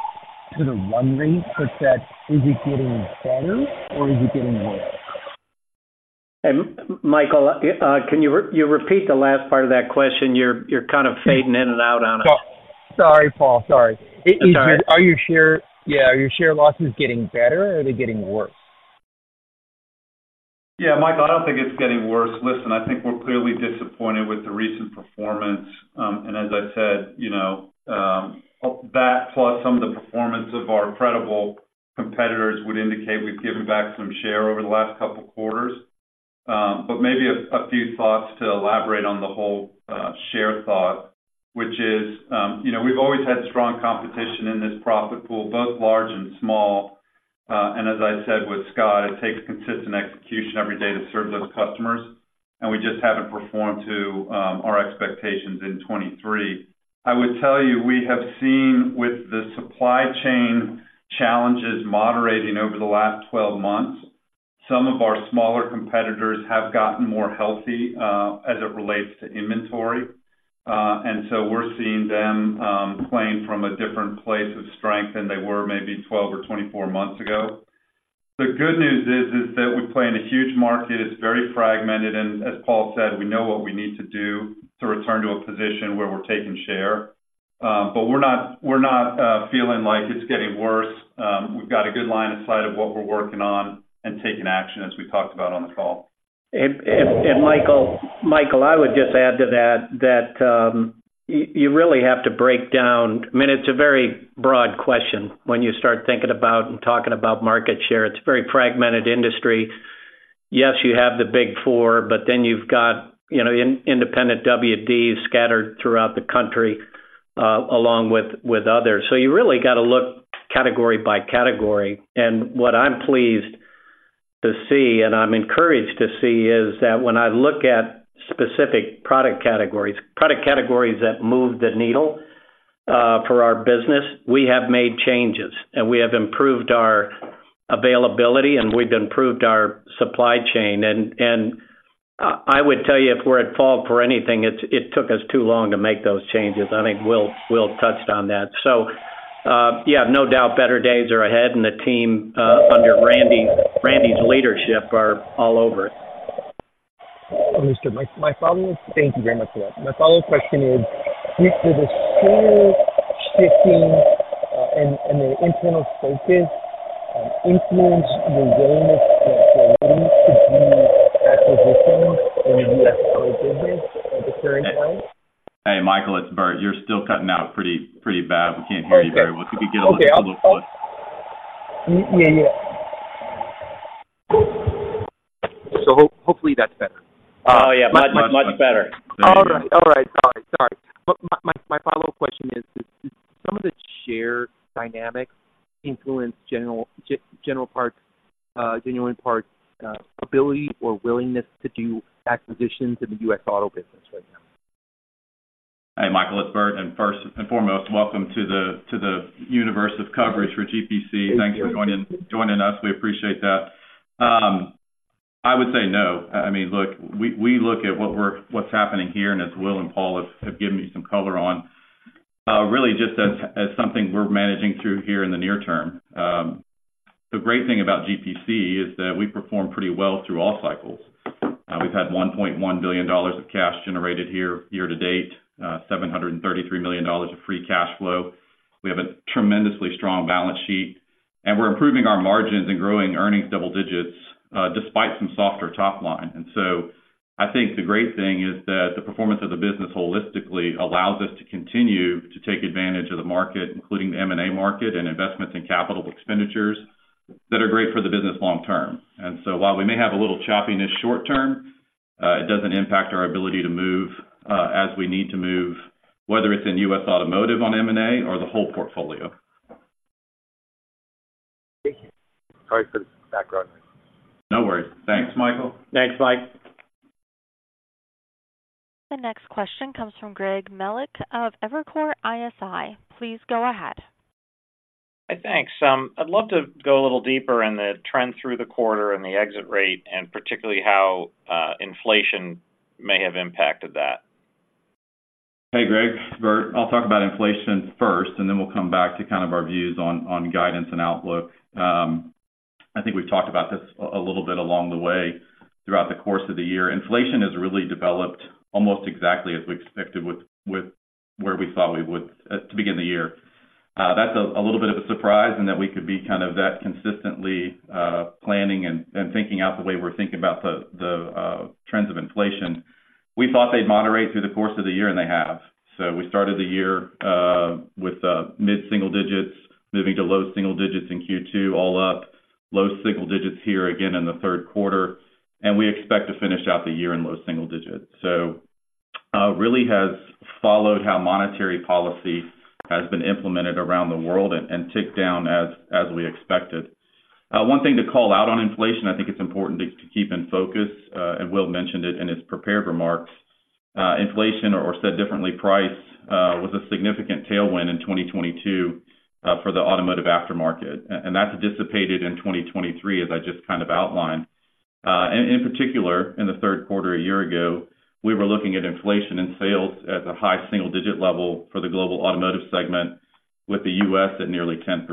to the run rate, such that, is it getting better or is it getting worse? Hey, Michael, can you repeat the last part of that question? You're kind of fading in and out on us. Sorry, Paul. Sorry. It's all right. Are your share losses getting better or are they getting worse? Yeah, Michael, I don't think it's getting worse. Listen, I think we're clearly disappointed with the recent performance. As I said, you know, that plus some of the performance of our credible competitors would indicate we've given back some share over the last couple of quarters. Maybe a few thoughts to elaborate on the whole share thought, which is, you know, we've always had strong competition in this profit pool, both large and small, and as I said with Scott, it takes consistent execution every day to serve those customers, and we just haven't performed to our expectations in 2023. I would tell you, we have seen with the supply chain challenges moderating over the last 12 months, some of our smaller competitors have gotten more healthy, as it relates to inventory. And so we're seeing them playing from a different place of strength than they were maybe 12 or 24 months ago. The good news is, is that we play in a huge market. It's very fragmented, and as Paul said, we know what we need to do to return to a position where we're taking share. But we're not, we're not, feeling like it's getting worse. We've got a good line of sight of what we're working on and taking action, as we talked about on the call. Michael, I would just add to that, that you really have to break down, I mean, it's a very broad question when you start thinking about and talking about market share. It's a very fragmented industry. Yes, you have the Big Four, but then you've got, you know, independent WDs scattered throughout the country, along with others. So you really got to look category by category. And what I'm pleased to see, and I'm encouraged to see, is that when I look at specific product categories, product categories that move the needle for our business, we have made changes, and we have improved our availability, and we've improved our supply chain. And I would tell you, if we're at fault for anything, it took us too long to make those changes. I think Will touched on that. Yeah, no doubt better days are ahead, and the team under Randy's leadership are all over it. Understood. Thank you very much. My follow-up question is: Did the share shifting and the internal focus influence your willingness to do acquisitions in the U.S. Auto business at the current time? Hey, Michael, it's Bert. You're still cutting out pretty, pretty bad. We can't hear you very well. Okay. If you could get a little closer. Yeah, yeah. So hopefully that's better. Oh, yeah, much, much better. Thank you. All right. Sorry. But my follow-up question is: Did some of the share dynamics influence Genuine Parts' ability or willingness to do acquisitions in the U.S. Auto business right now? Hi, Michael, it's Bert. And first and foremost, welcome to the universe of coverage for GPC. Thank you. Thanks for joining us. We appreciate that. I would say no. I mean, look, we look at what we're, what's happening here, and as Will and Paul have given you some color on, really just as something we're managing through here in the near term. The great thing about GPC is that we perform pretty well through all cycles. We've had $1.1 billion of cash generated here year to date, $733 million of free cash flow. We have a tremendously strong balance sheet, and we're improving our margins and growing earnings double digits, despite some softer top line. So I think the great thing is that the performance of the business holistically allows us to continue to take advantage of the market, including the M&A market and investments in capital expenditures, that are great for the business long-term. So while we may have a little choppiness short-term, it doesn't impact our ability to move, as we need to move, whether it's in U.S. Automotive on M&A or the whole portfolio. Thank you. Sorry for the background. No worries. Thanks, Michael. Thanks, Mike. The next question comes from Greg Melich of Evercore ISI. Please go ahead. Hi, thanks. I'd love to go a little deeper in the trend through the quarter and the exit rate, and particularly how inflation may have impacted that. Hey, Greg, Bert. I'll talk about inflation first, and then we'll come back to kind of our views on, on guidance and outlook. I think we've talked about this a little bit along the way throughout the course of the year. Inflation has really developed almost exactly as we expected with, with where we thought we would, to begin the year. That's a, a little bit of a surprise, and that we could be kind of that consistently, planning and, and thinking out the way we're thinking about the, the, trends of inflation. We thought they'd moderate through the course of the year, and they have. So we started the year with mid-single digits, moving to low single digits in Q2, all up, low single digits here again in the third quarter, and we expect to finish out the year in low single digits. So really has followed how monetary policy has been implemented around the world and ticked down as we expected. One thing to call out on inflation, I think it's important to keep in focus, and Will mentioned it in his prepared remarks. Inflation or said differently, price was a significant tailwind in 2022 for the automotive aftermarket, and that's dissipated in 2023, as I just kind of outlined. In particular, in the third quarter a year ago, we were looking at inflation and sales at a high single-digit level for the global automotive segment, with the U.S. at nearly 10%.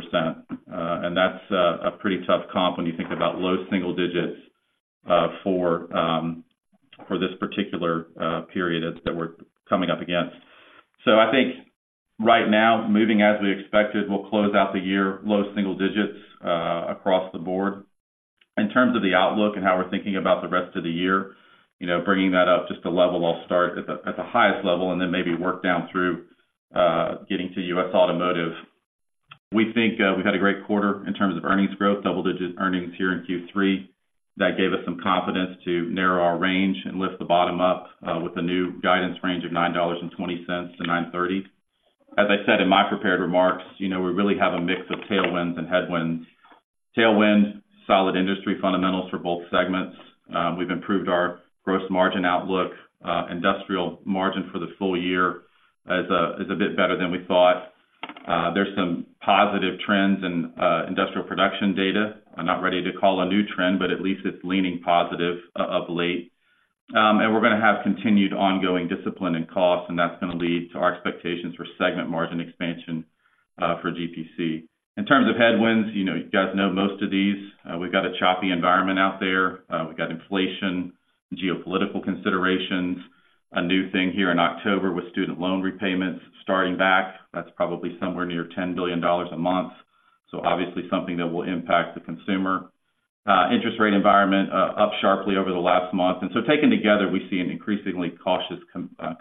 That's a pretty tough comp when you think about low single digits for this particular period that we're coming up against. So I think right now, moving as we expected, we'll close out the year low single digits across the board. In terms of the outlook and how we're thinking about the rest of the year, you know, bringing that up just a level, I'll start at the highest level and then maybe work down through getting to U.S. Automotive. We think we've had a great quarter in terms of earnings growth, double-digit earnings here in Q3. That gave us some confidence to narrow our range and lift the bottom up with a new guidance range of $9.20-$9.30. As I said in my prepared remarks, you know, we really have a mix of tailwinds and headwinds. Tailwind, solid industry fundamentals for both segments. We've improved our gross margin outlook. Industrial margin for the full year is a bit better than we thought. There's some positive trends in industrial production data. I'm not ready to call a new trend, but at least it's leaning positive of late. And we're gonna have continued ongoing discipline and costs, and that's gonna lead to our expectations for segment margin expansion for GPC. In terms of headwinds, you know, you guys know most of these. We've got a choppy environment out there. We've got inflation, geopolitical considerations, a new thing here in October with student loan repayments starting back. That's probably somewhere near $10 billion a month. So obviously something that will impact the consumer. Interest rate environment, up sharply over the last month. And so taken together, we see an increasingly cautious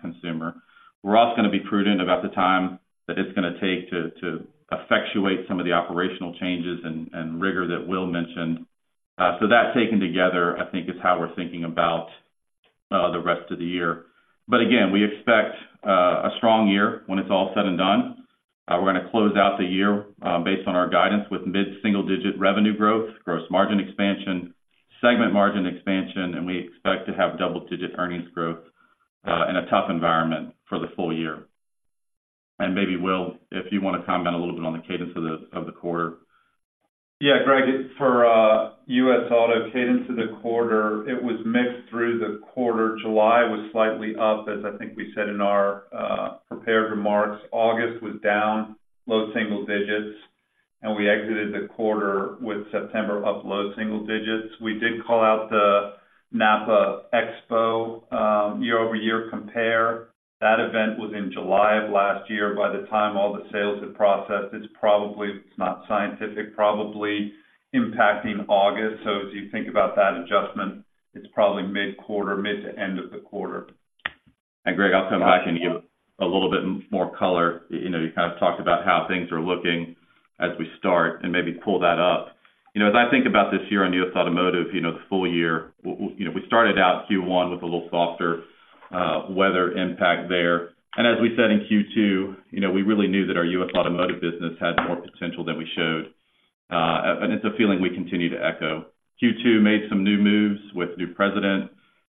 consumer. We're also gonna be prudent about the time that it's gonna take to effectuate some of the operational changes and rigor that Will mentioned. So that, taken together, I think, is how we're thinking about the rest of the year. But again, we expect a strong year when it's all said and done. We're gonna close out the year based on our guidance with mid-single-digit revenue growth, gross margin expansion, segment margin expansion, and we expect to have double-digit earnings growth in a tough environment for the full year. Maybe, Will, if you want to comment a little bit on the cadence of the quarter. Yeah, Greg, for U.S. Auto cadence of the quarter, it was mixed through the quarter. July was slightly up, as I think we said in our prepared remarks. August was down low single digits, and we exited the quarter with September up low single digits. We did call out the NAPA Expo year-over-year compare. That event was in July of last year. By the time all the sales had processed, it's probably, it's not scientific, probably impacting August. So as you think about that adjustment, it's probably mid-quarter, mid to end of the quarter. Greg, I'll come back and give a little bit more color. You know, you kind of talked about how things are looking as we start and maybe pull that up. You know, as I think about this year on U.S. Automotive, you know, the full year, you know, we started out Q1 with a little softer weather impact there. As we said in Q2, you know, we really knew that our U.S. Automotive business had more potential than we showed. It's a feeling we continue to echo. Q2 made some new moves with new president,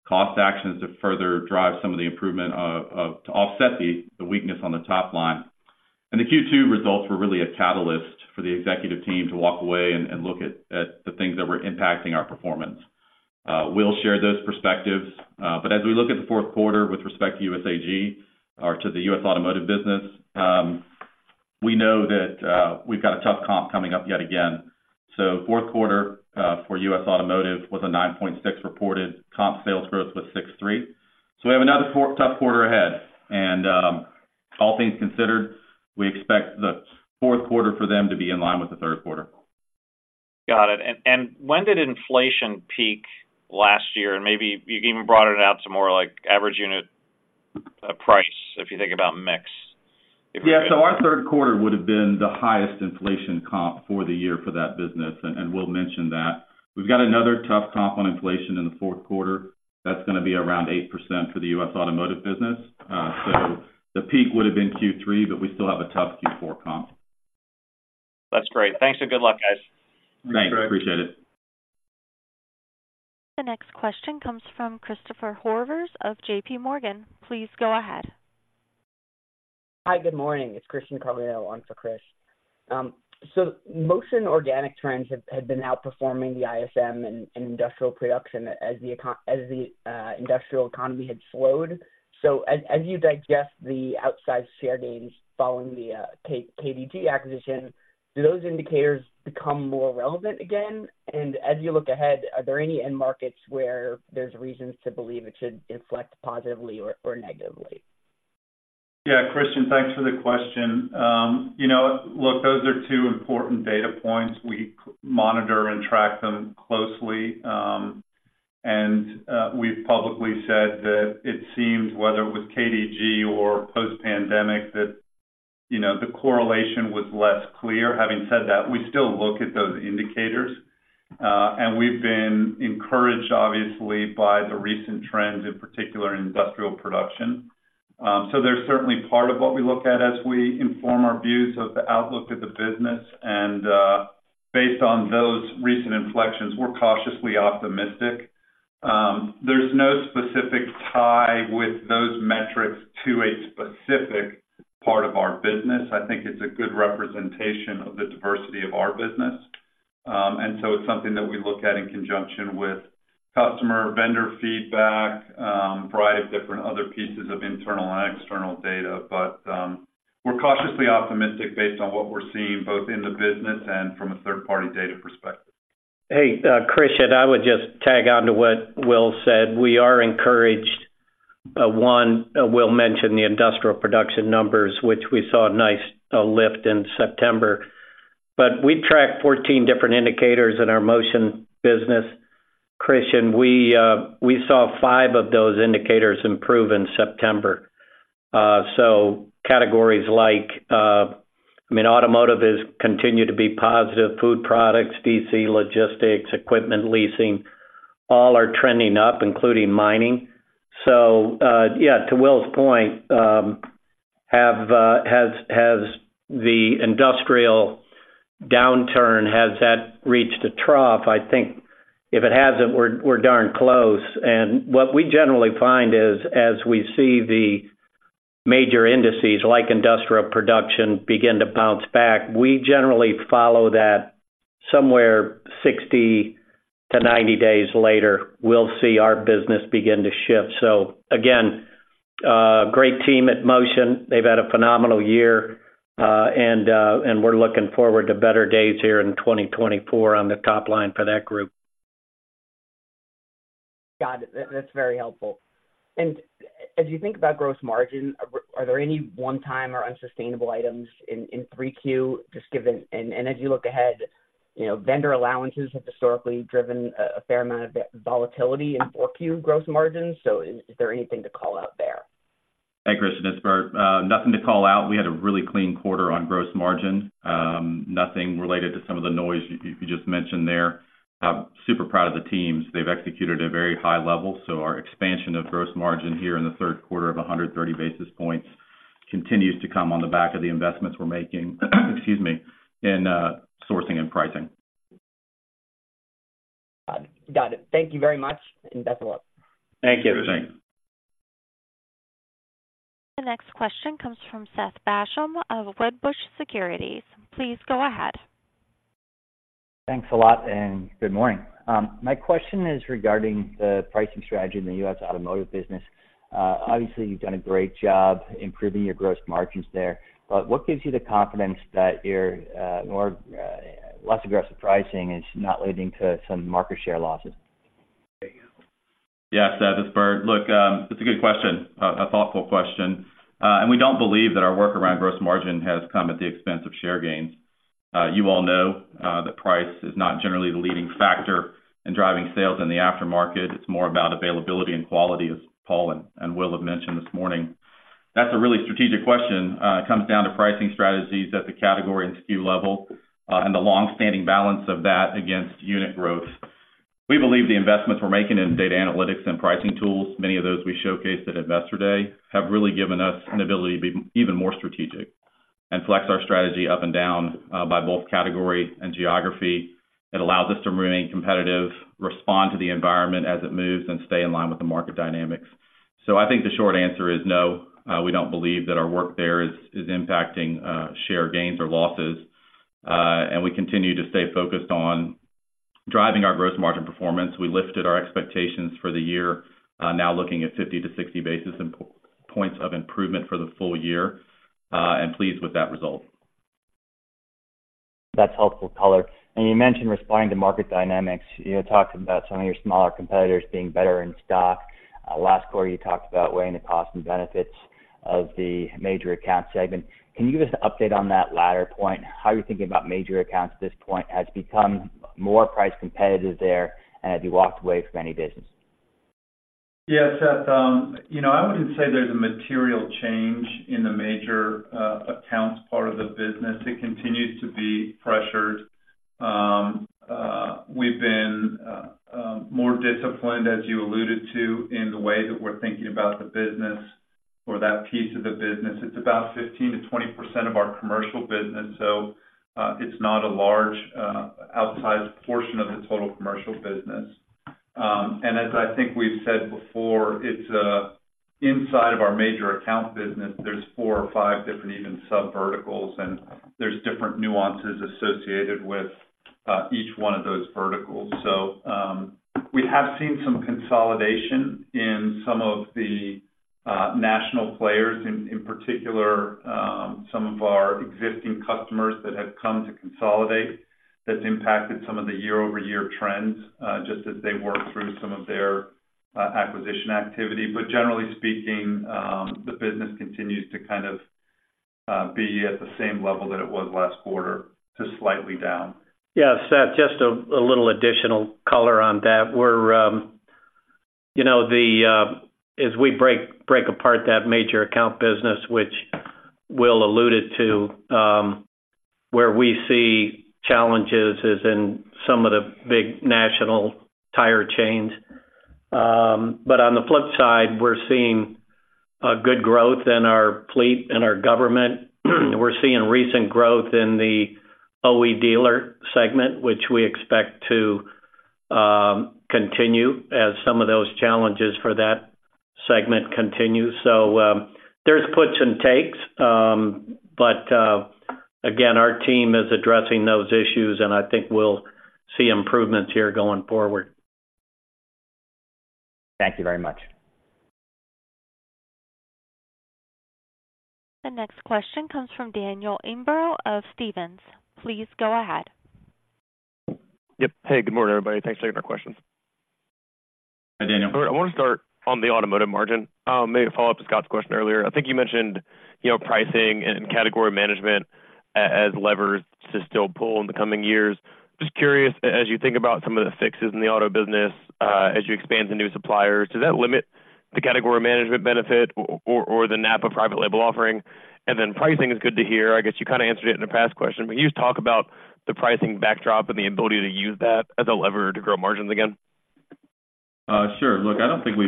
cost actions to further drive some of the improvement, to offset the weakness on the top line. The Q2 results were really a catalyst for the executive team to walk away and look at the things that were impacting our performance. We'll share those perspectives, but as we look at the fourth quarter with respect to USAG or to the U.S. Automotive business, we know that we've got a tough comp coming up yet again. So fourth quarter for U.S. Automotive was a 9.6 reported comp sales growth with 6.3. So we have another tough quarter ahead, and all things considered, we expect the fourth quarter for them to be in line with the third quarter. Got it. And when did inflation peak last year? And maybe you even brought it out to more like average unit price, if you think about mix. Yeah. So our third quarter would have been the highest inflation comp for the year for that business, and we'll mention that. We've got another tough comp on inflation in the fourth quarter. That's gonna be around 8% for the U.S. Automotive business. So the peak would have been Q3, but we still have a tough Q4 comp. That's great. Thanks, and good luck, guys. Thanks, appreciate it. The next question comes from Christopher Horvers of JPMorgan. Please go ahead. Hi, good morning. It's Christian Carlino on for Chris. So Motion organic trends had been outperforming the ISM and industrial production as the industrial economy had slowed. So as you digest the outsized share gains following the KDG acquisition, do those indicators become more relevant again? And as you look ahead, are there any end markets where there's reasons to believe it should inflect positively or negatively? Yeah, Christian, thanks for the question. You know, look, those are two important data points. We monitor and track them closely, and we've publicly said that it seems, whether it was KDG or post-pandemic, that, you know, the correlation was less clear. Having said that, we still look at those indicators, and we've been encouraged, obviously, by the recent trends, in particular in industrial production. So they're certainly part of what we look at as we inform our views of the outlook of the business, and based on those recent inflections, we're cautiously optimistic. There's no specific tie with those metrics to a specific part of our business. I think it's a good representation of the diversity of our business. And so it's something that we look at in conjunction with customer, vendor feedback, a variety of different other pieces of internal and external data. But, we're cautiously optimistic based on what we're seeing, both in the business and from a third-party data perspective. Hey, Christian, I would just tag on to what Will said. We are encouraged by, one, Will mentioned the industrial production numbers, which we saw a nice lift in September. But we tracked 14 different indicators in our Motion business. Christian, we saw five of those indicators improve in September. So categories like, I mean, automotive is continued to be positive. Food products, D.C., logistics, equipment, leasing, all are trending up, including mining. So, yeah, to Will's point, has the industrial downturn reached a trough? I think if it hasn't, we're darn close. And what we generally find is, as we see the major indices, like industrial production, begin to bounce back, we generally follow that somewhere 60 days-90 days later, we'll see our business begin to shift. So again, great team at Motion. They've had a phenomenal year, and we're looking forward to better days here in 2024 on the top line for that group. Got it. That's very helpful. And as you think about gross margin, are there any one-time or unsustainable items in 3Q, just given—and as you look ahead, you know, vendor allowances have historically driven a fair amount of volatility in 4Q gross margins. So is there anything to call out there? Hey, Christian, it's Bert. Nothing to call out. We had a really clean quarter on gross margin. Nothing related to some of the noise you just mentioned there. I'm super proud of the teams. They've executed at a very high level, so our expansion of gross margin here in the third quarter of 130 basis points continues to come on the back of the investments we're making, excuse me, in sourcing and pricing. Got it. Thank you very much, and best of luck. Thank you, Christian. The next question comes from Seth Basham of Wedbush Securities. Please go ahead. Thanks a lot, and good morning. My question is regarding the pricing strategy in the U.S. Automotive business. Obviously, you've done a great job improving your gross margins there, but what gives you the confidence that your more less aggressive pricing is not leading to some market share losses? Yes, Seth, it's Bert. Look, it's a good question, a thoughtful question. And we don't believe that our work around gross margin has come at the expense of share gains. You all know that price is not generally the leading factor in driving sales in the aftermarket. It's more about availability and quality, as Paul and Will have mentioned this morning. That's a really strategic question. It comes down to pricing strategies at the category and SKU level, and the long-standing balance of that against unit growth. We believe the investments we're making in data analytics and pricing tools, many of those we showcased at Investor Day, have really given us an ability to be even more strategic and flex our strategy up and down, by both category and geography. It allows us to remain competitive, respond to the environment as it moves, and stay in line with the market dynamics. So I think the short answer is no, we don't believe that our work there is impacting share gains or losses. And we continue to stay focused on driving our gross margin performance. We lifted our expectations for the year, now looking at 50 basis points-60 basis points of improvement for the full year, and pleased with that result. That's helpful color. And you mentioned responding to market dynamics. You had talked about some of your smaller competitors being better in stock. Last quarter, you talked about weighing the costs and benefits of the major account segment. Can you give us an update on that latter point? How are you thinking about major accounts at this point? Has become more price competitive there, and have you walked away from any business? Yes, Seth, you know, I wouldn't say there's a material change in the major accounts part of the business. It continues to be pressured. We've been more disciplined, as you alluded to, in the way that we're thinking about the business or that piece of the business. It's about 15%-20% of our commercial business, so it's not a large outsized portion of the total commercial business. And as I think we've said before, it's inside of our major account business, there's four or five different even subverticals, and there's different nuances associated with each one of those verticals. So, we have seen some consolidation in some of the national players, in particular, some of our existing customers that have come to consolidate. That's impacted some of the year-over-year trends, just as they work through some of their acquisition activity. But generally speaking, the business continues to kind of be at the same level that it was last quarter, just slightly down. Yeah, Seth, just a little additional color on that. We're, you know, as we break apart that major account business, which Will alluded to, where we see challenges is in some of the big national tire chains. But on the flip side, we're seeing a good growth in our fleet and our government. We're seeing recent growth in the OE dealer segment, which we expect to continue as some of those challenges for that segment continue. So, there's puts and takes, but, again, our team is addressing those issues, and I think we'll see improvements here going forward. Thank you very much. The next question comes from Daniel Imbro of Stephens. Please go ahead. Yep. Hey, good morning, everybody. Thanks for taking our questions. Hi, Daniel. I want to start on the automotive margin. Maybe a follow-up to Scott's question earlier. I think you mentioned, you know, pricing and category management as levers to still pull in the coming years. Just curious, as you think about some of the fixes in the auto business, as you expand to new suppliers, does that limit the category management benefit or the NAPA private label offering? And then pricing is good to hear. I guess you kind of answered it in a past question. Can you just talk about the pricing backdrop and the ability to use that as a lever to grow margins again? Sure. Look, I don't think we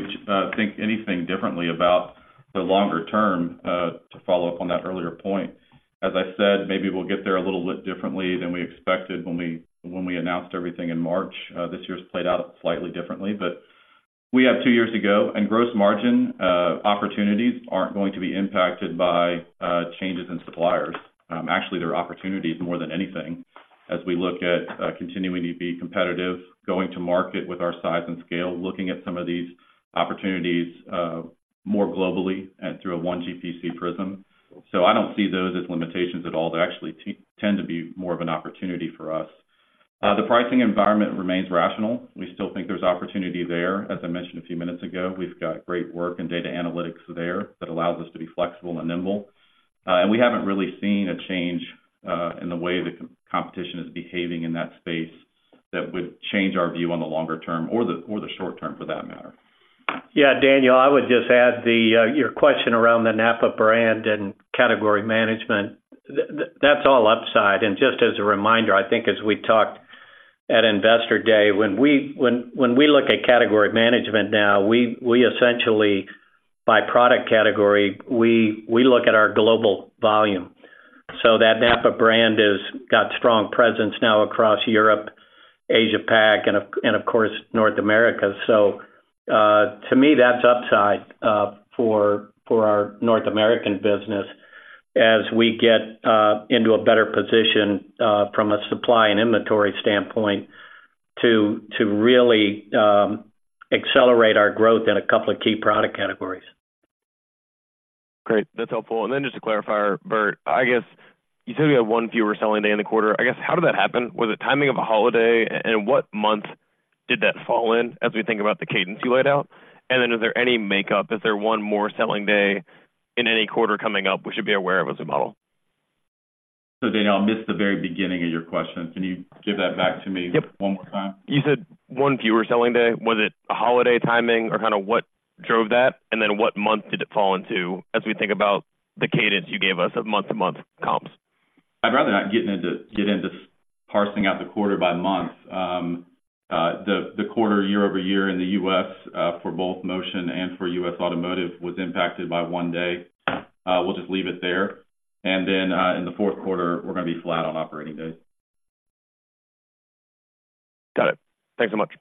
think anything differently about the longer term, to follow up on that earlier point. As I said, maybe we'll get there a little bit differently than we expected when we announced everything in March. This year's played out slightly differently, but we have two years to go, and gross margin opportunities aren't going to be impacted by changes in suppliers. Actually, they're opportunities more than anything as we look at continuing to be competitive, going to market with our size and scale, looking at some of these opportunities more globally and through a one GPC prism. So I don't see those as limitations at all. They actually tend to be more of an opportunity for us. The pricing environment remains rational. We still think there's opportunity there. As I mentioned a few minutes ago, we've got great work in data analytics there that allows us to be flexible and nimble. We haven't really seen a change in the way the competition is behaving in that space that would change our view on the longer term or the short term, for that matter. Yeah, Daniel, I would just add to your question around the NAPA brand and category management. That's all upside. And just as a reminder, I think as we talked at Investor Day, when we look at category management now, we essentially, by product category, look at our global volume. So that NAPA brand is got strong presence now across Europe, Asia-Pac, and, of course, North America. So, to me, that's upside for our North American business as we get into a better position from a supply and inventory standpoint to really accelerate our growth in a couple of key product categories. Great. That's helpful. And then just to clarify, Bert, I guess you said we had one fewer selling day in the quarter. I guess, how did that happen? Was it timing of a holiday, and what month did that fall in, as we think about the cadence you laid out? And then is there any makeup? Is there one more selling day in any quarter coming up we should be aware of as a model? So, Daniel, I missed the very beginning of your question. Can you give that back to me? Yep. One more time? You said one fewer selling day. Was it a holiday timing, or kind of what drove that? And then what month did it fall into, as we think about the cadence you gave us of month-to-month comps? I'd rather not get into parsing out the quarter by month. The quarter year-over-year in the U.S., for both Motion and U.S. Automotive was impacted by one day. We'll just leave it there. And then, in the fourth quarter, we're gonna be flat on operating days. Got it. Thanks so much.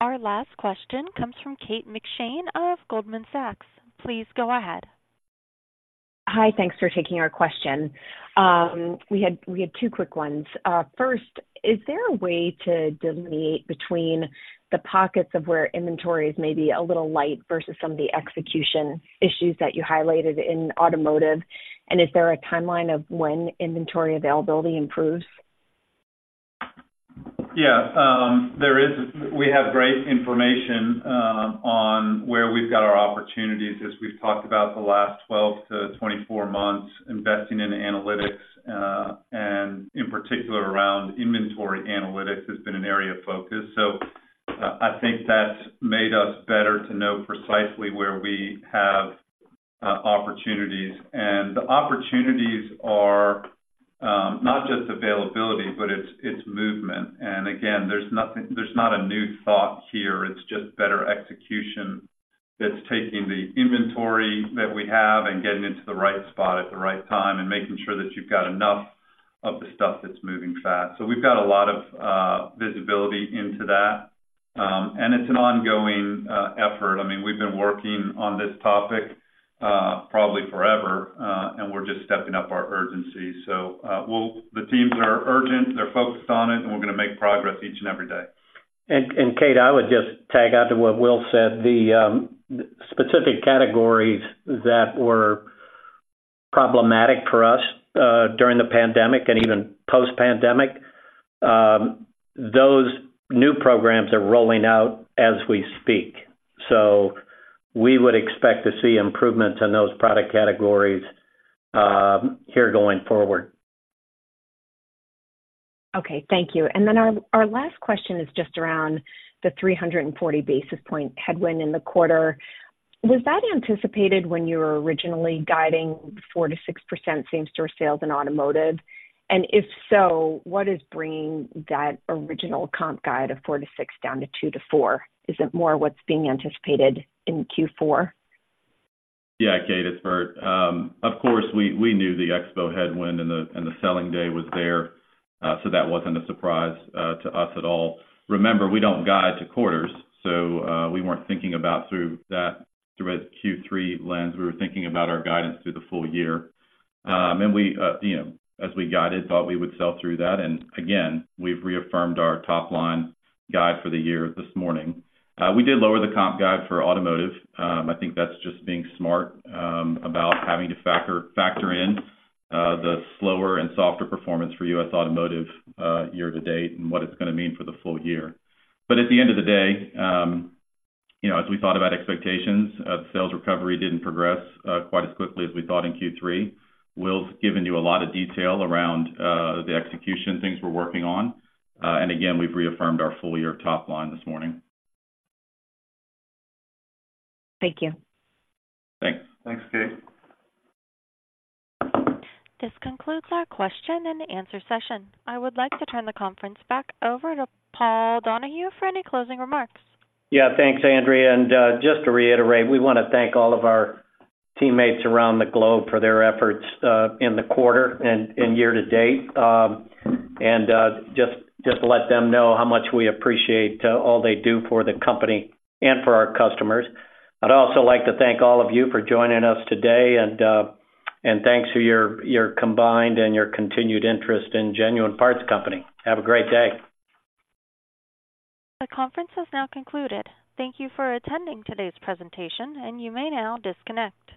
Our last question comes from Kate McShane of Goldman Sachs. Please go ahead. Hi. Thanks for taking our question. We had two quick ones. First, is there a way to delineate between the pockets of where inventory is maybe a little light versus some of the execution issues that you highlighted in automotive? And is there a timeline of when inventory availability improves? Yeah, we have great information on where we've got our opportunities. As we've talked about the last 12 months-24 months, investing in analytics, and in particular around inventory analytics, has been an area of focus. So I think that's made us better to know precisely where we have opportunities. And the opportunities are not just availability, but it's movement. And again, there's not a new thought here. It's just better execution that's taking the inventory that we have and getting it to the right spot at the right time and making sure that you've got enough of the stuff that's moving fast. So we've got a lot of visibility into that, and it's an ongoing effort. I mean, we've been working on this topic probably forever, and we're just stepping up our urgency. The teams are urgent, they're focused on it, and we're gonna make progress each and every day. Kate, I would just tag on to what Will said. The specific categories that were problematic for us during the pandemic and even post-pandemic, those new programs are rolling out as we speak. So we would expect to see improvements in those product categories here going forward. Okay, thank you. And then our last question is just around the 340 basis point headwind in the quarter. Was that anticipated when you were originally guiding 4%-6% same-store sales in automotive? And if so, what is bringing that original comp guide of 4%-6% down to 2%-4%? Is it more what's being anticipated in Q4? Yeah, Kate, it's Bert. Of course, we knew the expo headwind and the selling day was there, so that wasn't a surprise to us at all. Remember, we don't guide to quarters, so we weren't thinking about through that, through a Q3 lens. We were thinking about our guidance through the full year. And we, you know, as we guided, thought we would sell through that, and again, we've reaffirmed our top-line guide for the year this morning. We did lower the comp guide for automotive. I think that's just being smart about having to factor in the slower and softer performance for U.S. Automotive year to date, and what it's gonna mean for the full year. At the end of the day, you know, as we thought about expectations, the sales recovery didn't progress quite as quickly as we thought in Q3. Will's given you a lot of detail around the execution things we're working on. Again, we've reaffirmed our full year top line this morning. Thank you. Thanks. Thanks, Kate. This concludes our question and answer session. I would like to turn the conference back over to Paul Donahue for any closing remarks. Yeah. Thanks, Andrea, and just to reiterate, we wanna thank all of our teammates around the globe for their efforts in the quarter and year to date. And just to let them know how much we appreciate all they do for the company and for our customers. I'd also like to thank all of you for joining us today, and thanks for your combined and your continued interest in Genuine Parts Company. Have a great day. The conference has now concluded. Thank you for attending today's presentation, and you may now disconnect.